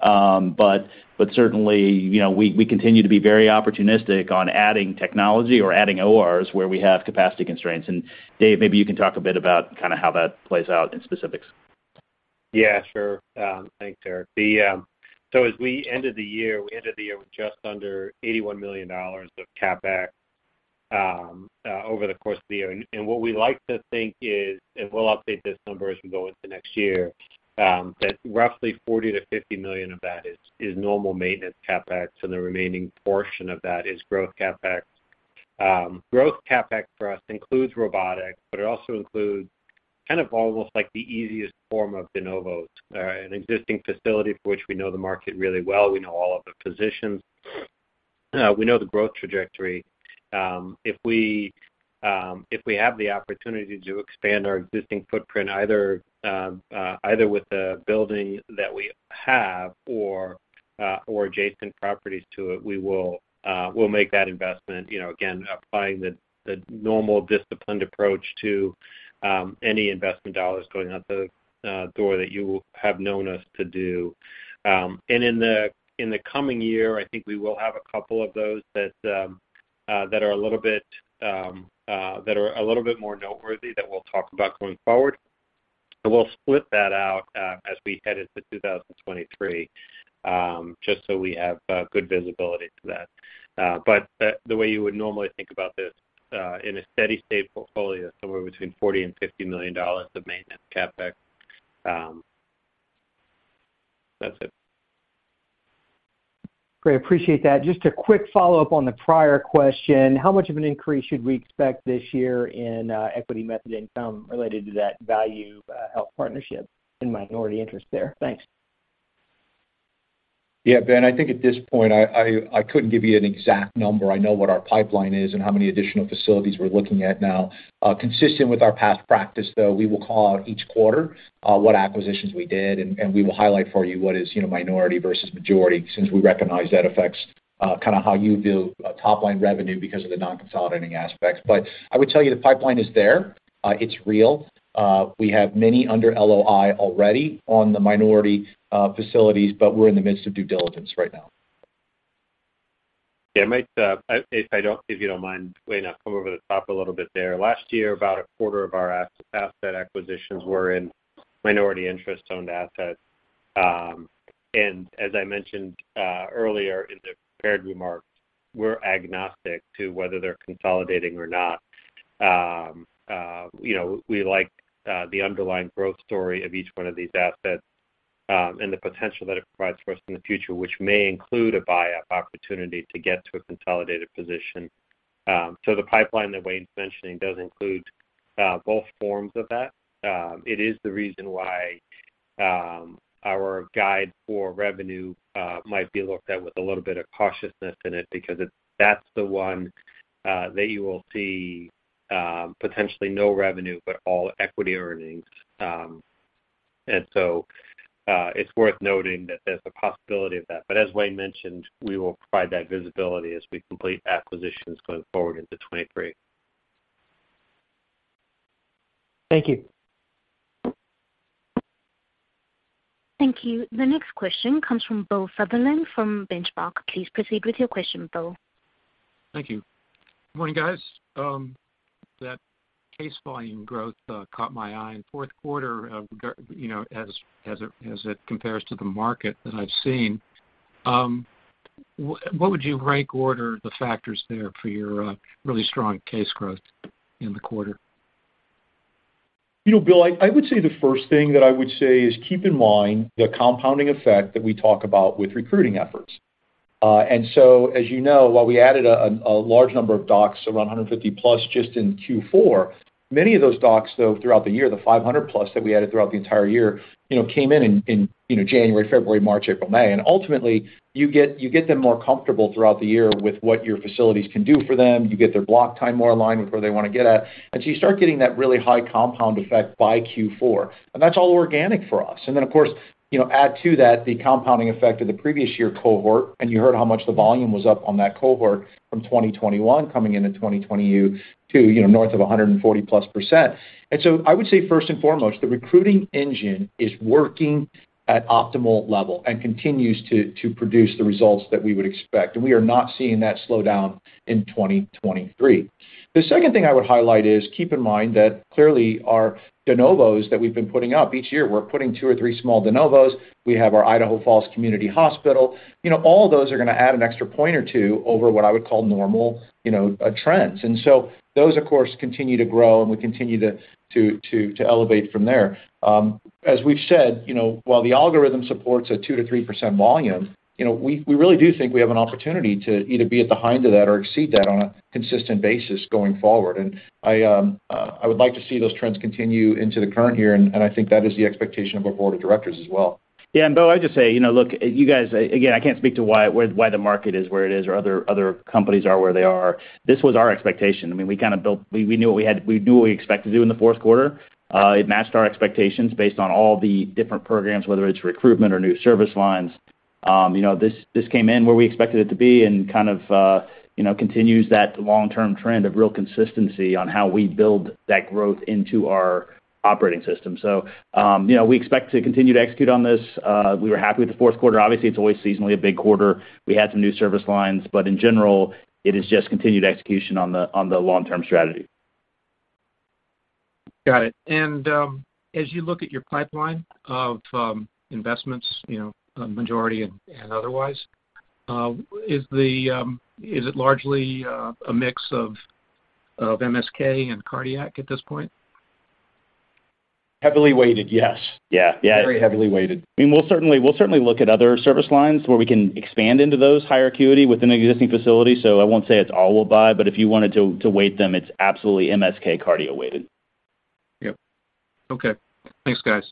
Certainly, you know, we continue to be very opportunistic on adding technology or adding ORs where we have capacity constraints. Dave, maybe you can talk a bit about kind of how that plays out in specifics. Yeah, sure. Thanks, Eric. As we ended the year, we ended the year with just under $81 million of CapEx over the course of the year. What we like to think is, and we'll update this number as we go into next year, that roughly $40 million-$50 million of that is normal maintenance CapEx, and the remaining portion of that is growth CapEx. Growth CapEx for us includes robotics, but it also includes kind of almost like the easiest form of de novos, an existing facility for which we know the market really well. We know all of the physicians. We know the growth trajectory. If we have the opportunity to expand our existing footprint either with the building that we have or adjacent properties to it, we'll make that investment, you know, again, applying the normal disciplined approach to any investment dollars going out the door that you have known us to do. In the coming year, I think we will have a couple of those that are a little bit more noteworthy that we'll talk about going forward. We'll split that out as we head into 2023, just so we have good visibility to that. The way you would normally think about this, in a steady-state portfolio, somewhere between $40 million and $50 million of maintenance CapEx. That's it. Great. Appreciate that. Just a quick follow-up on the prior question. How much of an increase should we expect this year in equity method income related to that ValueHealth Partnership and minority interest there? Thanks. Yeah, Ben, I think at this point, I couldn't give you an exact number. I know what our pipeline is and how many additional facilities we're looking at now. Consistent with our past practice, though, we will call out each quarter what acquisitions we did, and we will highlight for you what is, you know, minority versus majority, since we recognize that affects kinda how you view top-line revenue because of the non-consolidating aspects. I would tell you the pipeline is there. It's real. We have many under LOI already on the minority facilities, but we're in the midst of due diligence right now. Yeah, might, if you don't mind, Wayne, I'll come over the top a little bit there. Last year, about a quarter of our asset acquisitions were in minority interest-owned assets. As I mentioned, earlier in the prepared remarks, we're agnostic to whether they're consolidating or not. you know, we like the underlying growth story of each one of these assets, and the potential that it provides for us in the future, which may include a buyup opportunity to get to a consolidated position. The pipeline that Wayne's mentioning does include both forms of that. It is the reason why our guide for revenue might be looked at with a little bit of cautiousness in it because that's the one that you will see potentially no revenue, but all equity earnings. It's worth noting that there's a possibility of that. As Wayne mentioned, we will provide that visibility as we complete acquisitions going forward into 2023. Thank you. Thank you. The next question comes from Bill Sutherland from Benchmark. Please proceed with your question, Bill. Thank you. Good morning, guys. That case volume growth caught my eye in fourth quarter of you know, as it compares to the market that I've seen. What would you rank order the factors there for your really strong case growth in the quarter? You know, Bill, I would say the first thing that I would say is keep in mind the compounding effect that we talk about with recruiting efforts. As you know, while we added a large number of docs, around 150+ just in Q4, many of those docs, though, throughout the year, the 500+ that we added throughout the entire year, you know, came in, you know, January, February, March, April, May. Ultimately, you get them more comfortable throughout the year with what your facilities can do for them. You get their block time more aligned with where they wanna get at. So you start getting that really high compound effect by Q4, and that's all organic for us. Of course, you know, add to that the compounding effect of the previous year cohort, and you heard how much the volume was up on that cohort from 2021 coming into 2022, you know, north of 140+%. I would say first and foremost, the recruiting engine is working at optimal level and continues to produce the results that we would expect. We are not seeing that slow down in 2023. The second thing I would highlight is keep in mind that clearly our de novos that we've been putting up each year, we're putting two or three small de novos. We have our Idaho Falls Community Hospital. You know, all those are gonna add an extra point or two over what I would call normal, you know, trends. Those of course continue to grow, and we continue to elevate from there. As we've said, you know, while the algorithm supports a 2%-3% volume, you know, we really do think we have an opportunity to either be at the high end of that or exceed that on a consistent basis going forward. I would like to see those trends continue into the current year, and I think that is the expectation of our board of directors as well. Bill, I'd just say, you know, look, you guys, again, I can't speak to why the market is where it is or other companies are where they are. This was our expectation. I mean, we kinda knew what we had, we knew what we expected to do in the fourth quarter. It matched our expectations based on all the different programs, whether it's recruitment or new service lines. You know, this came in where we expected it to be and kind of, you know, continues that long-term trend of real consistency on how we build that growth into our operating system. You know, we expect to continue to execute on this. We were happy with the fourth quarter. Obviously, it's always seasonally a big quarter. We had some new service lines. In general, it is just continued execution on the long-term strategy. Got it. As you look at your pipeline of investments, you know, majority and otherwise, is it largely a mix of MSK and cardiac at this point? Heavily weighted, yes. Yeah. Yeah. Very heavily weighted. I mean, we'll certainly, we'll certainly look at other service lines where we can expand into those higher acuity within an existing facility. I won't say it's all we'll buy, but if you wanted to weight them, it's absolutely MSK cardio weighted. Yep. Okay. Thanks, guys.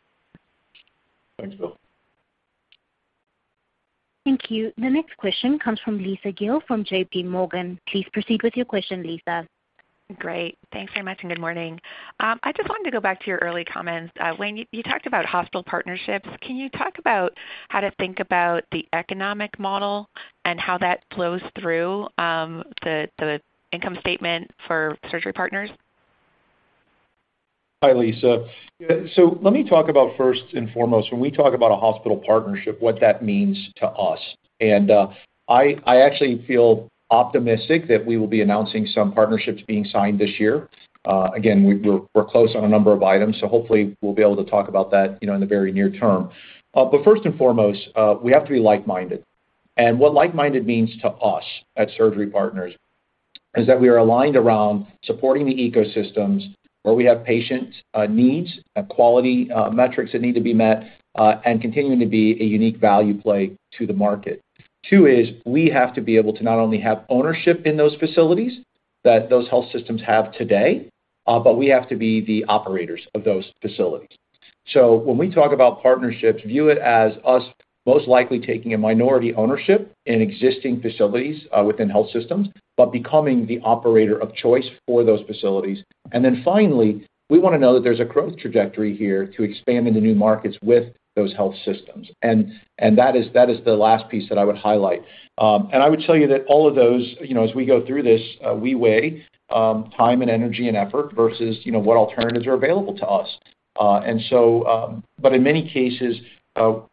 Thank you. The next question comes from Lisa Gill from JPMorgan. Please proceed with your question, Lisa. Great. Thanks very much. Good morning. I just wanted to go back to your early comments. Wayne, you talked about hospital partnerships. Can you talk about how to think about the economic model and how that flows through the income statement for Surgery Partners? Hi, Lisa. Let me talk about first and foremost, when we talk about a hospital partnership, what that means to us. I actually feel optimistic that we will be announcing some partnerships being signed this year. Again, we're close on a number of items, so hopefully we'll be able to talk about that, you know, in the very near term. First and foremost, we have to be like-minded. What like-minded means to us at Surgery Partners is that we are aligned around supporting the ecosystems where we have patient needs, quality metrics that need to be met, and continuing to be a unique value play to the market. Two is we have to be able to not only have ownership in those facilities that those health systems have today, but we have to be the operators of those facilities. When we talk about partnerships, view it as us most likely taking a minority ownership in existing facilities, within health systems, but becoming the operator of choice for those facilities. Finally, we wanna know that there's a growth trajectory here to expand into new markets with those health systems. That is the last piece that I would highlight. I would tell you that all of those, you know, as we go through this, we weigh time and energy and effort versus, you know, what alternatives are available to us. In many cases,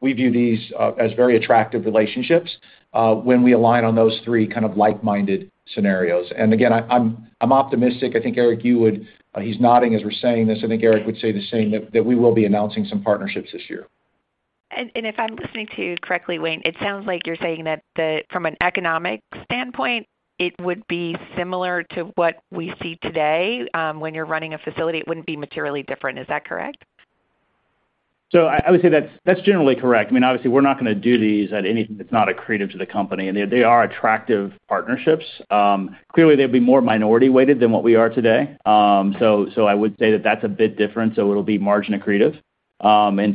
we view these as very attractive relationships, when we align on those three kind of like-minded scenarios. I'm optimistic. I think, Eric, you would he's nodding as we're saying this. I think Eric would say the same, that we will be announcing some partnerships this year. If I'm listening to you correctly, Wayne, it sounds like you're saying that from an economic standpoint, it would be similar to what we see today, when you're running a facility, it wouldn't be materially different. Is that correct? I would say that's generally correct. I mean, obviously, we're not gonna do these at anything that's not accretive to the company, and they are attractive partnerships. Clearly, they'll be more minority weighted than what we are today. I would say that that's a bit different. It'll be margin accretive.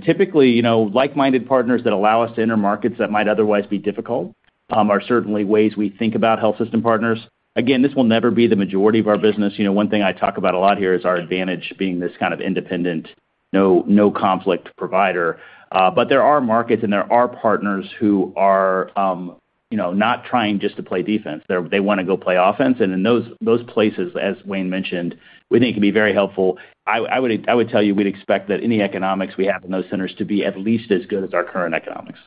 Typically, you know, like-minded partners that allow us to enter markets that might otherwise be difficult, are certainly ways we think about health system partners. Again, this will never be the majority of our business. You know, one thing I talk about a lot here is our advantage being this kind of independent, no conflict provider. There are markets and there are partners who are, you know, not trying just to play defense. They wanna go play offense. In those places, as Wayne mentioned, we think it can be very helpful. I would tell you we'd expect that any economics we have in those centers to be at least as good as our current economics.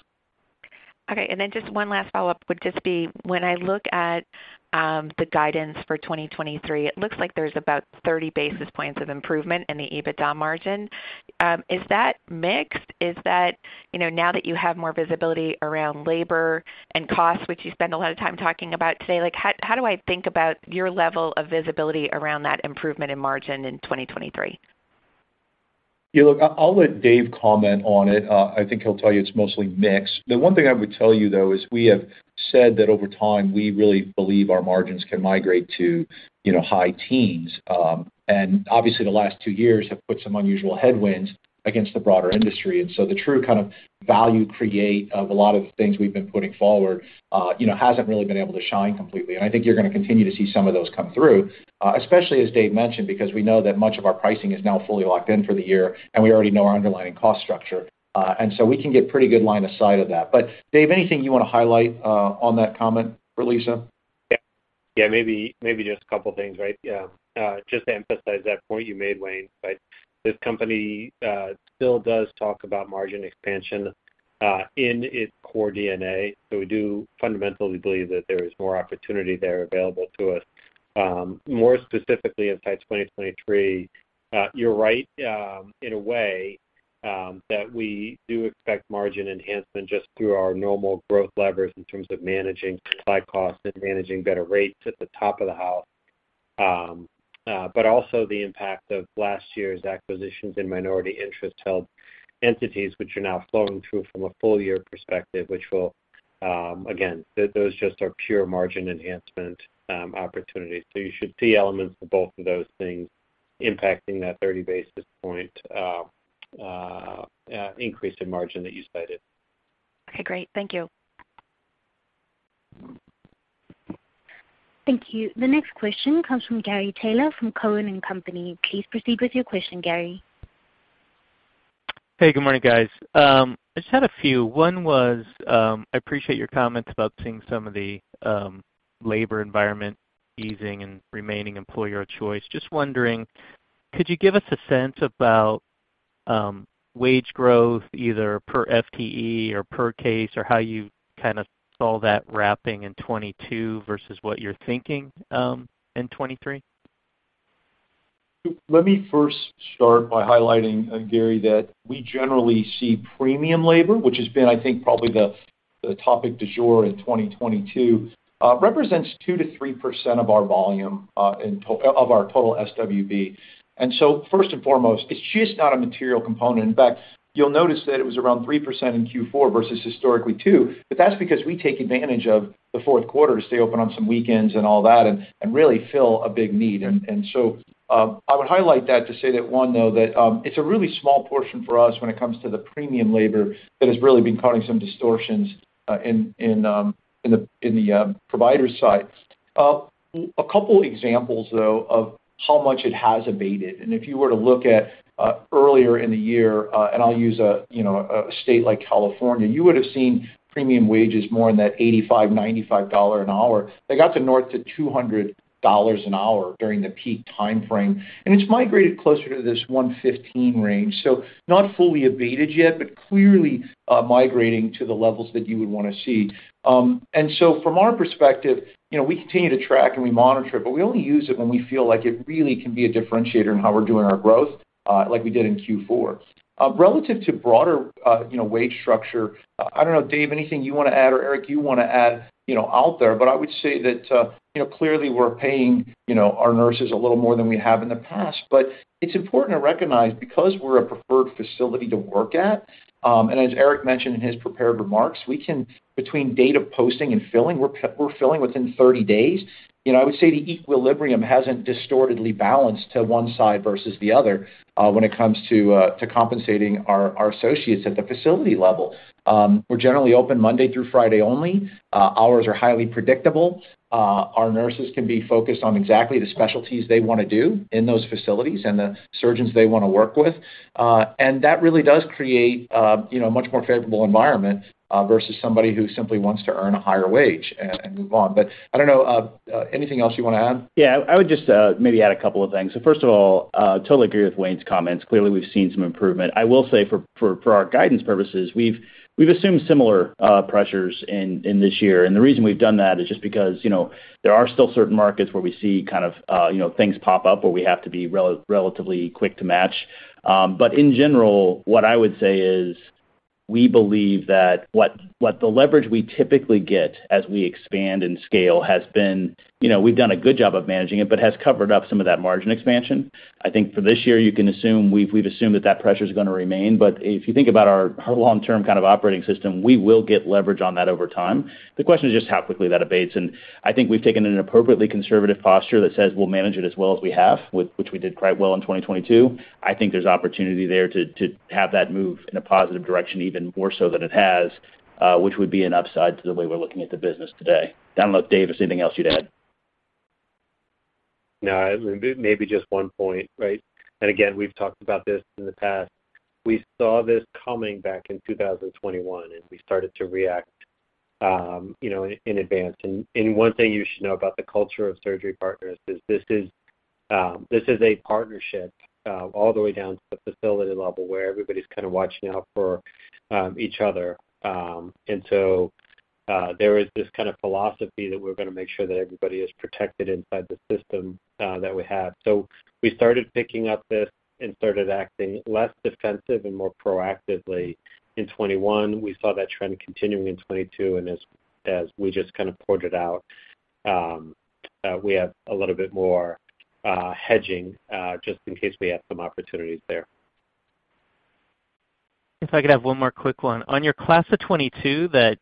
Okay. Just one last follow-up would just be when I look at, the guidance for 2023, it looks like there's about 30 basis points of improvement in the EBITDA margin. Is that mixed? Is that, you know, now that you have more visibility around labor and costs, which you spend a lot of time talking about today, like, how do I think about your level of visibility around that improvement in margin in 2023? Yeah, look, I'll let Dave comment on it. I think he'll tell you it's mostly mixed. The one thing I would tell you, though, is we have said that over time, we really believe our margins can migrate to, you know, high teens. Obviously, the last two years have put some unusual headwinds against the broader industry. The true kind of value create of a lot of the things we've been putting forward, you know, hasn't really been able to shine completely. I think you're gonna continue to see some of those come through, especially as Dave mentioned, because we know that much of our pricing is now fully locked in for the year, and we already know our underlying cost structure. We can get pretty good line of sight of that. Dave, anything you wanna highlight on that comment for Lisa? Yeah, maybe just a couple of things, right? Yeah. Just to emphasize that point you made, Wayne, but this company still does talk about margin expansion in its core DNA. We do fundamentally believe that there is more opportunity there available to us. More specifically inside 2023, you're right, in a way, that we do expect margin enhancement just through our normal growth levers in terms of managing supply costs and managing better rates at the top of the house, but also the impact of last year's acquisitions and minority interest held entities, which are now flowing through from a full year perspective, which will, again, those just are pure margin enhancement opportunities. You should see elements of both of those things impacting that 30 basis point increase in margin that you cited. Okay, great. Thank you. Thank you. The next question comes from Gary Taylor from Cowen and Company. Please proceed with your question, Gary. Hey, good morning, guys. I just had a few. One was, I appreciate your comments about seeing some of the labor environment easing and remaining employer of choice. Just wondering, could you give us a sense about wage growth either per FTE or per case, or how you kinda saw that wrapping in 2022 versus what you're thinking in 2023? Let me first start by highlighting, Gary, that we generally see premium labor, which has been, I think, probably the topic du jour in 2022, represents 2%-3% of our volume of our total SWB. First and foremost, it's just not a material component. In fact, you'll notice that it was around 3% in Q4 versus historically 2%. That's because we take advantage of the fourth quarter to stay open on some weekends and all that and really fill a big need. I would highlight that to say that one, though, that it's a really small portion for us when it comes to the premium labor that has really been causing some distortions in the provider side. A couple examples though of how much it has abated. If you were to look at earlier in the year, and I'll use a state like California. You would have seen premium wages more in that $85-$95 an hour. They got to north to $200 an hour during the peak timeframe, and it's migrated closer to this $115 range. Not fully abated yet, but clearly migrating to the levels that you would wanna see. From our perspective, you know, we continue to track and we monitor it, but we only use it when we feel like it really can be a differentiator in how we're doing our growth, like we did in Q4. Relative to broader, you know, wage structure, I don't know, Dave, anything you wanna add or Eric you wanna add, you know, out there? I would say that, you know, clearly we're paying, you know, our nurses a little more than we have in the past. It's important to recognize because we're a preferred facility to work at, and as Eric mentioned in his prepared remarks, we can between date of posting and filling, we're filling within 30 days. You know, I would say the equilibrium hasn't distortedly balanced to one side versus the other, when it comes to compensating our associates at the facility level. We're generally open Monday through Friday only. Hours are highly predictable. Our nurses can be focused on exactly the specialties they wanna do in those facilities and the surgeons they wanna work with. And that really does create, you know, a much more favorable environment, versus somebody who simply wants to earn a higher wage and move on. I don't know, anything else you wanna add? I would just maybe add a couple of things. First of all, totally agree with Wayne's comments. Clearly, we've seen some improvement. I will say for our guidance purposes, we've assumed similar pressures in this year. The reason we've done that is just because, you know, there are still certain markets where we see kind of, you know, things pop up where we have to be relatively quick to match. In general, what I would say is we believe that what the leverage we typically get as we expand and scale has been... You know, we've done a good job of managing it, but has covered up some of that margin expansion. I think for this year, you can assume we've assumed that that pressure is gonna remain. If you think about our long-term kind of operating system, we will get leverage on that over time. The question is just how quickly that abates. I think we've taken an appropriately conservative posture that says we'll manage it as well as we have, which we did quite well in 2022. I think there's opportunity there to have that move in a positive direction even more so than it has, which would be an upside to the way we're looking at the business today. I don't know, Dave, if there's anything else you'd add. No. Maybe just one point, right? Again, we've talked about this in the past. We saw this coming back in 2021, and we started to react, you know, in advance. One thing you should know about the culture of Surgery Partners is this is a partnership all the way down to the facility level where everybody's kinda watching out for each other. There is this kind of philosophy that we're gonna make sure that everybody is protected inside the system that we have. We started picking up this and started acting less defensive and more proactively in 2021. We saw that trend continuing in 2022, and as we just kind of pointed out, we have a little bit more hedging just in case we have some opportunities there. If I could have one more quick one. On your class of 2022 that,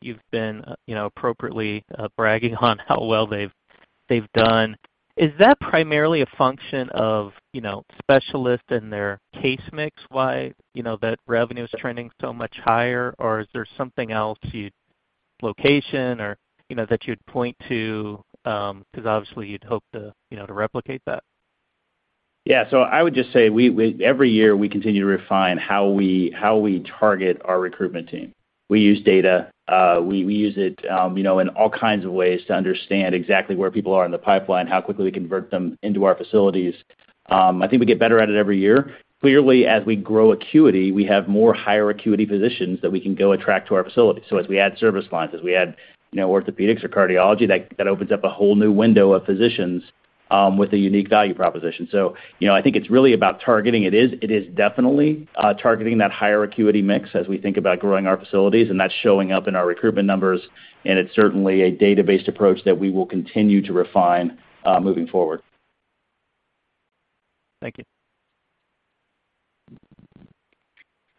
you've been, you know, appropriately bragging on how well they've done. Is that primarily a function of, you know, specialists and their case mix wide, you know, that revenue is trending so much higher? Is there something else you'd... Location or, you know, that you'd point to, 'cause obviously you'd hope to, you know, to replicate that? I would just say we every year, we continue to refine how we target our recruitment team. We use data. We use it, you know, in all kinds of ways to understand exactly where people are in the pipeline, how quickly we convert them into our facilities. I think we get better at it every year. Clearly, as we grow acuity, we have more higher acuity physicians that we can go attract to our facilities. As we add service lines, as we add, you know, orthopedics or cardiology, that opens up a whole new window of physicians with a unique value proposition. You know, I think it's really about targeting. It is definitely targeting that higher acuity mix as we think about growing our facilities, and that's showing up in our recruitment numbers, and it's certainly a data-based approach that we will continue to refine moving forward. Thank you.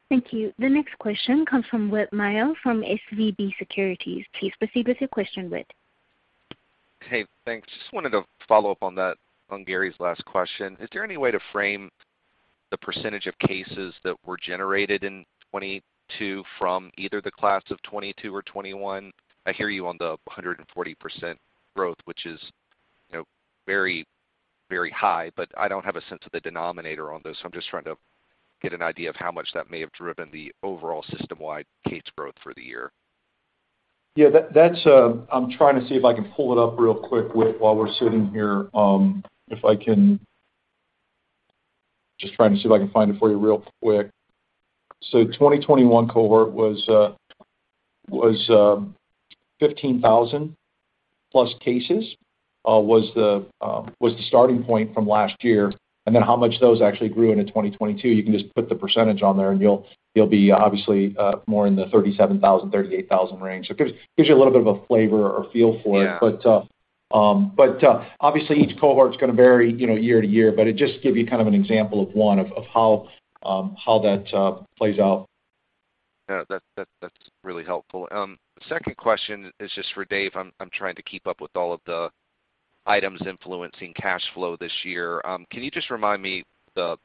Thank you. The next question comes from Whit Mayo from SVB Securities. Please proceed with your question, Whit. Hey, thanks. Just wanted to follow up on Gary's last question. Is there any way to frame the percentage of cases that were generated in 2022 from either the class of 2022 or 2021? I hear you on the 140% growth, which is, you know, very, very high, but I don't have a sense of the denominator on those. I'm just trying to get an idea of how much that may have driven the overall system-wide case growth for the year. Yeah, that's. I'm trying to see if I can pull it up real quick while we're sitting here. If I can, just trying to see if I can find it for you real quick. 2021 cohort was 15,000 plus cases, was the starting point from last year. Then how much those actually grew into 2022, you can just put the percentage on there and you'll be obviously more in the 37,000-38,000 range. It gives you a little bit of a flavor or feel for it. Yeah. Obviously each cohort is gonna vary, you know, year to year, but it just give you kind of an example of one of how that plays out. That's really helpful. The second question is just for Dave. I'm trying to keep up with all of the items influencing cash flow this year. Can you just remind me the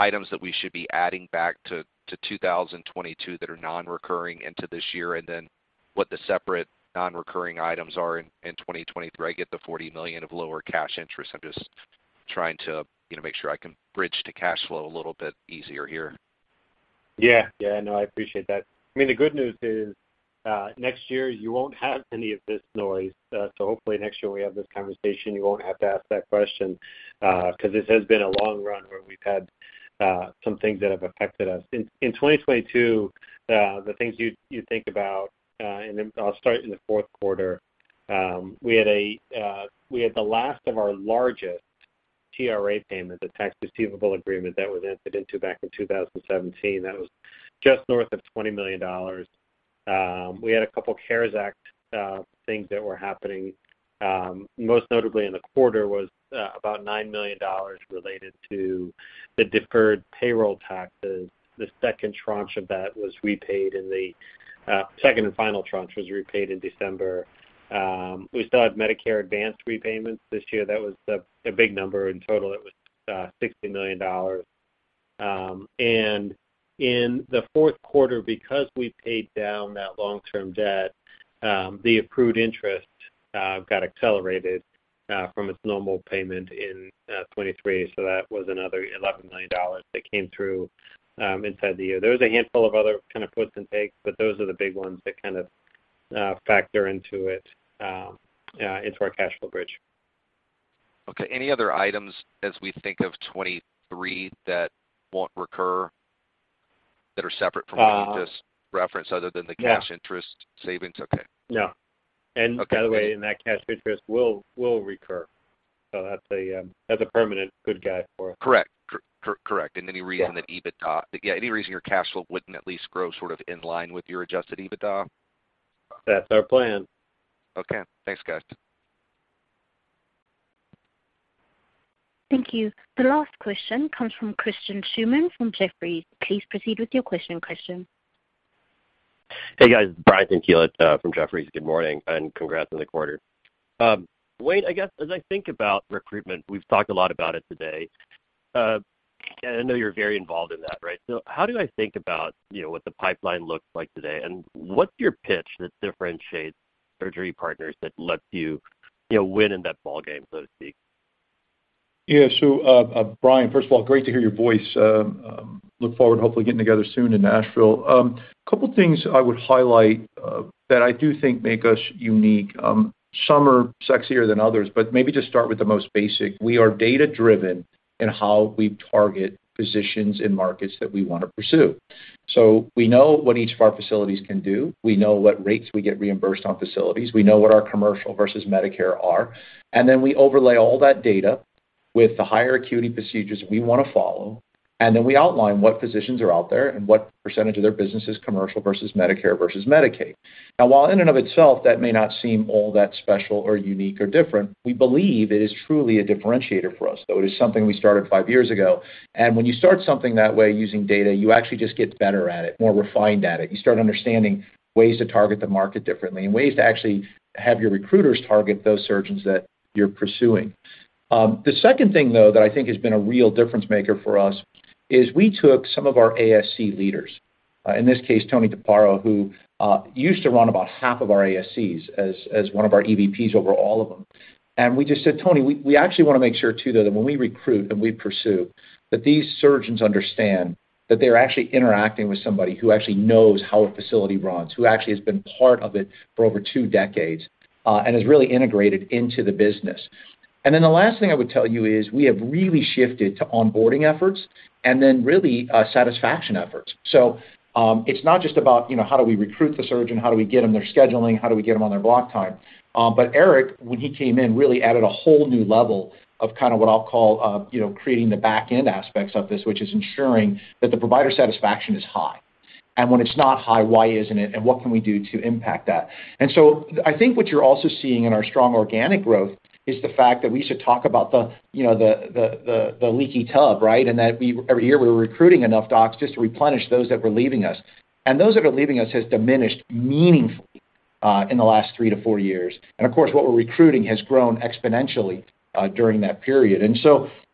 items that we should be adding back to 2022 that are non-recurring into this year, and then what the separate non-recurring items are in 2023? I get the $40 million of lower cash interest. I'm just trying to, you know, make sure I can bridge to cash flow a little bit easier here. No, I appreciate that. The good news is, next year you won't have any of this noise. Hopefully next year when we have this conversation, you won't have to ask that question, 'cause this has been a long run where we've had some things that have affected us. In 2022, the things you'd think about, and then I'll start in the fourth quarter. We had the last of our largest TRA payment, the Tax Receivable Agreement that was entered into back in 2017. That was just north of $20 million. We had a couple of CARES Act things that were happening. Most notably in the quarter was about $9 million related to the deferred payroll taxes. The second tranche of that was repaid in the second and final tranche was repaid in December. We still had Medicare advanced repayments this year. That was a big number. In total, it was $60 million. In the fourth quarter, because we paid down that long-term debt, the approved interest got accelerated from its normal payment in 2023. That was another $11 million that came through inside the year. There was a handful of other kind of puts and takes, but those are the big ones that kind of factor into it into our cash flow bridge. Okay. Any other items as we think of 2023 that won't recur that are separate from what you just referenced other than the cash interest savings? Okay. No. Okay. By the way, that cash interest will recur. That's a permanent good guy for us. Correct. Yeah, any reason your cash flow wouldn't at least grow sort of in line with your adjusted EBITDA? That's our plan. Okay. Thanks, guys. Thank you. The last question comes from Christian Schumann from Jefferies. Please proceed with your question, Christian. Hey, guys. Brian Tanquilut, from Jefferies. Good morning, and congrats on the quarter. Wayne, I guess as I think about recruitment, we've talked a lot about it today. I know you're very involved in that, right? How do I think about, you know, what the pipeline looks like today? What's your pitch that differentiates Surgery Partners that lets you know, win in that ball game, so to speak? Yeah. Brian, first of all, great to hear your voice. Look forward to hopefully getting together soon in Nashville. A couple of things I would highlight that I do think make us unique. Some are sexier than others, but maybe just start with the most basic. We are data-driven in how we target physicians in markets that we wanna pursue. We know what each of our facilities can do. We know what rates we get reimbursed on facilities. We know what our commercial versus Medicare are. We overlay all that data with the higher acuity procedures we wanna follow, then we outline what physicians are out there and what percentage of their business is commercial versus Medicare versus Medicaid. Now, while in and of itself, that may not seem all that special or unique or different, we believe it is truly a differentiator for us, though. It is something we started five years ago. When you start something that way using data, you actually just get better at it, more refined at it. You start understanding ways to target the market differently and ways to actually have your recruiters target those surgeons that you're pursuing. The second thing, though, that I think has been a real difference maker for us is we took some of our ASC leaders, in this case, Tony DiPaolo, who used to run about half of our ASCs as one of our EVPs over all of them. We just said, "Tony, we actually wanna make sure, too, though, that when we recruit and we pursue, that these surgeons understand that they're actually interacting with somebody who actually knows how a facility runs, who actually has been part of it for over two decades, and is really integrated into the business." The last thing I would tell you is we have really shifted to onboarding efforts and then really satisfaction efforts. It's not just about, you know, how do we recruit the surgeon? How do we get them their scheduling? How do we get them on their block time? Eric, when he came in, really added a whole new level of kind of what I'll call, you know, creating the back-end aspects of this, which is ensuring that the provider satisfaction is high. When it's not high, why isn't it, and what can we do to impact that? I think what you're also seeing in our strong organic growth is the fact that we used to talk about the, you know, the leaky tub, right? That every year, we were recruiting enough docs just to replenish those that were leaving us. Those that are leaving us has diminished meaningfully in the last three to four years. Of course, what we're recruiting has grown exponentially during that period.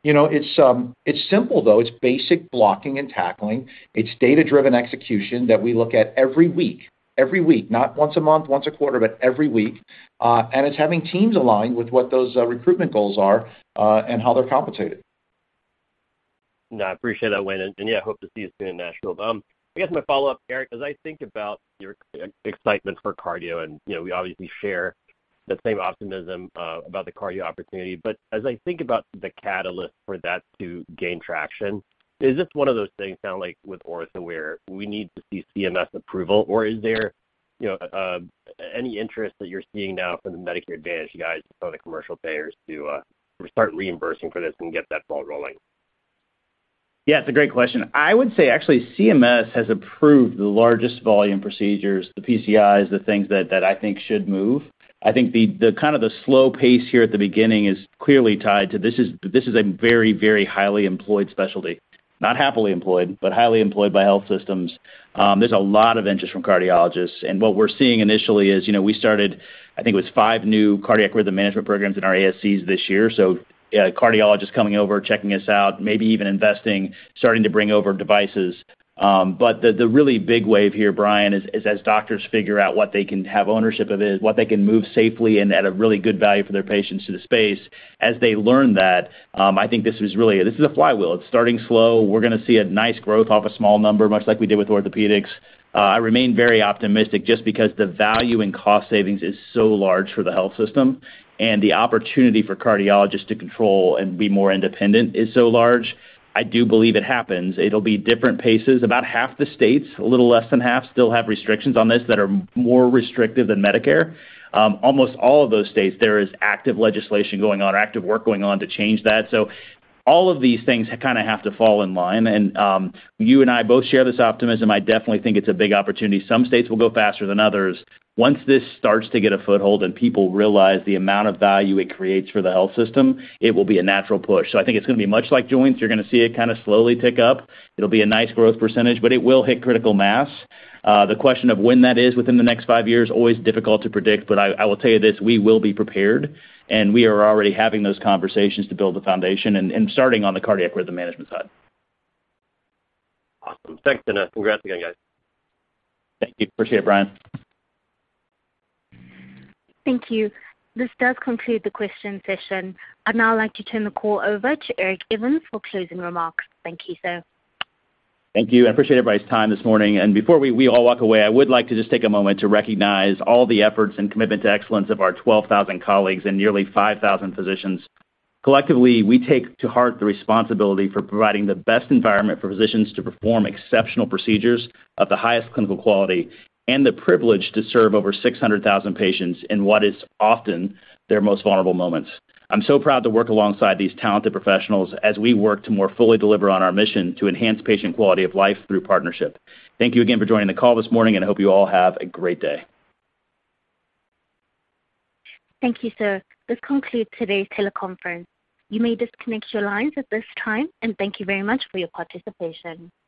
You know, it's simple, though. It's basic blocking and tackling. It's data-driven execution that we look at every week, every week. Not once a month, once a quarter, but every week. It's having teams aligned with what those recruitment goals are and how they're compensated. No, I appreciate that, Wayne. Yeah, I hope to see you soon in Nashville. I guess my follow-up, Eric, as I think about your excitement for cardio, and, you know, we obviously share the same optimism about the cardio opportunity. As I think about the catalyst for that to gain traction, is this one of those things now, like with ortho, where we need to see CMS approval? Or is there, you know, any interest that you're seeing now from the Medicare Advantage guys or the commercial payers to start reimbursing for this and get that ball rolling? It's a great question. I would say actually CMS has approved the largest volume procedures, the PCIs, the things that I think should move. I think the kind of the slow pace here at the beginning is clearly tied to this is a very, very highly employed specialty. Not happily employed, but highly employed by health systems. There's a lot of interest from cardiologists. What we're seeing initially is, you know, we started, I think it was five new cardiac rhythm management programs in our ASCs this year. Yeah, cardiologists coming over, checking us out, maybe even investing, starting to bring over devices. The really big wave here, Brian, is as doctors figure out what they can have ownership of it, what they can move safely and at a really good value for their patients to the space. As they learn that, I think this is really. This is a flywheel. It's starting slow. We're gonna see a nice growth off a small number, much like we did with orthopedics. I remain very optimistic just because the value in cost savings is so large for the health system, and the opportunity for cardiologists to control and be more independent is so large. I do believe it happens. It'll be different paces. About half the states, a little less than half, still have restrictions on this that are more restrictive than Medicare. Almost all of those states, there is active legislation going on or active work going on to change that. All of these things kinda have to fall in line. You and I both share this optimism. I definitely think it's a big opportunity. Some states will go faster than others. Once this starts to get a foothold and people realize the amount of value it creates for the health system, it will be a natural push. I think it's gonna be much like joints. You're gonna see it kinda slowly tick up. It'll be a nice growth percentage, but it will hit critical mass. The question of when that is within the next five years, always difficult to predict, but I will tell you this, we will be prepared, and we are already having those conversations to build the foundation and starting on the cardiac rhythm management side. Awesome. Thanks and, congrats again, guys. Thank you. Appreciate it, Brian. Thank you. This does conclude the question session. I'd now like to turn the call over to Eric Evans for closing remarks. Thank you, sir. Thank you. I appreciate everybody's time this morning. Before we all walk away, I would like to just take a moment to recognize all the efforts and commitment to excellence of our 12,000 colleagues and nearly 5,000 physicians. Collectively, we take to heart the responsibility for providing the best environment for physicians to perform exceptional procedures of the highest clinical quality and the privilege to serve over 600,000 patients in what is often their most vulnerable moments. I'm so proud to work alongside these talented professionals as we work to more fully deliver on our mission to enhance patient quality of life through partnership. Thank you again for joining the call this morning. I hope you all have a great day. Thank you, sir. This concludes today's teleconference. You may disconnect your lines at this time, and thank you very much for your participation.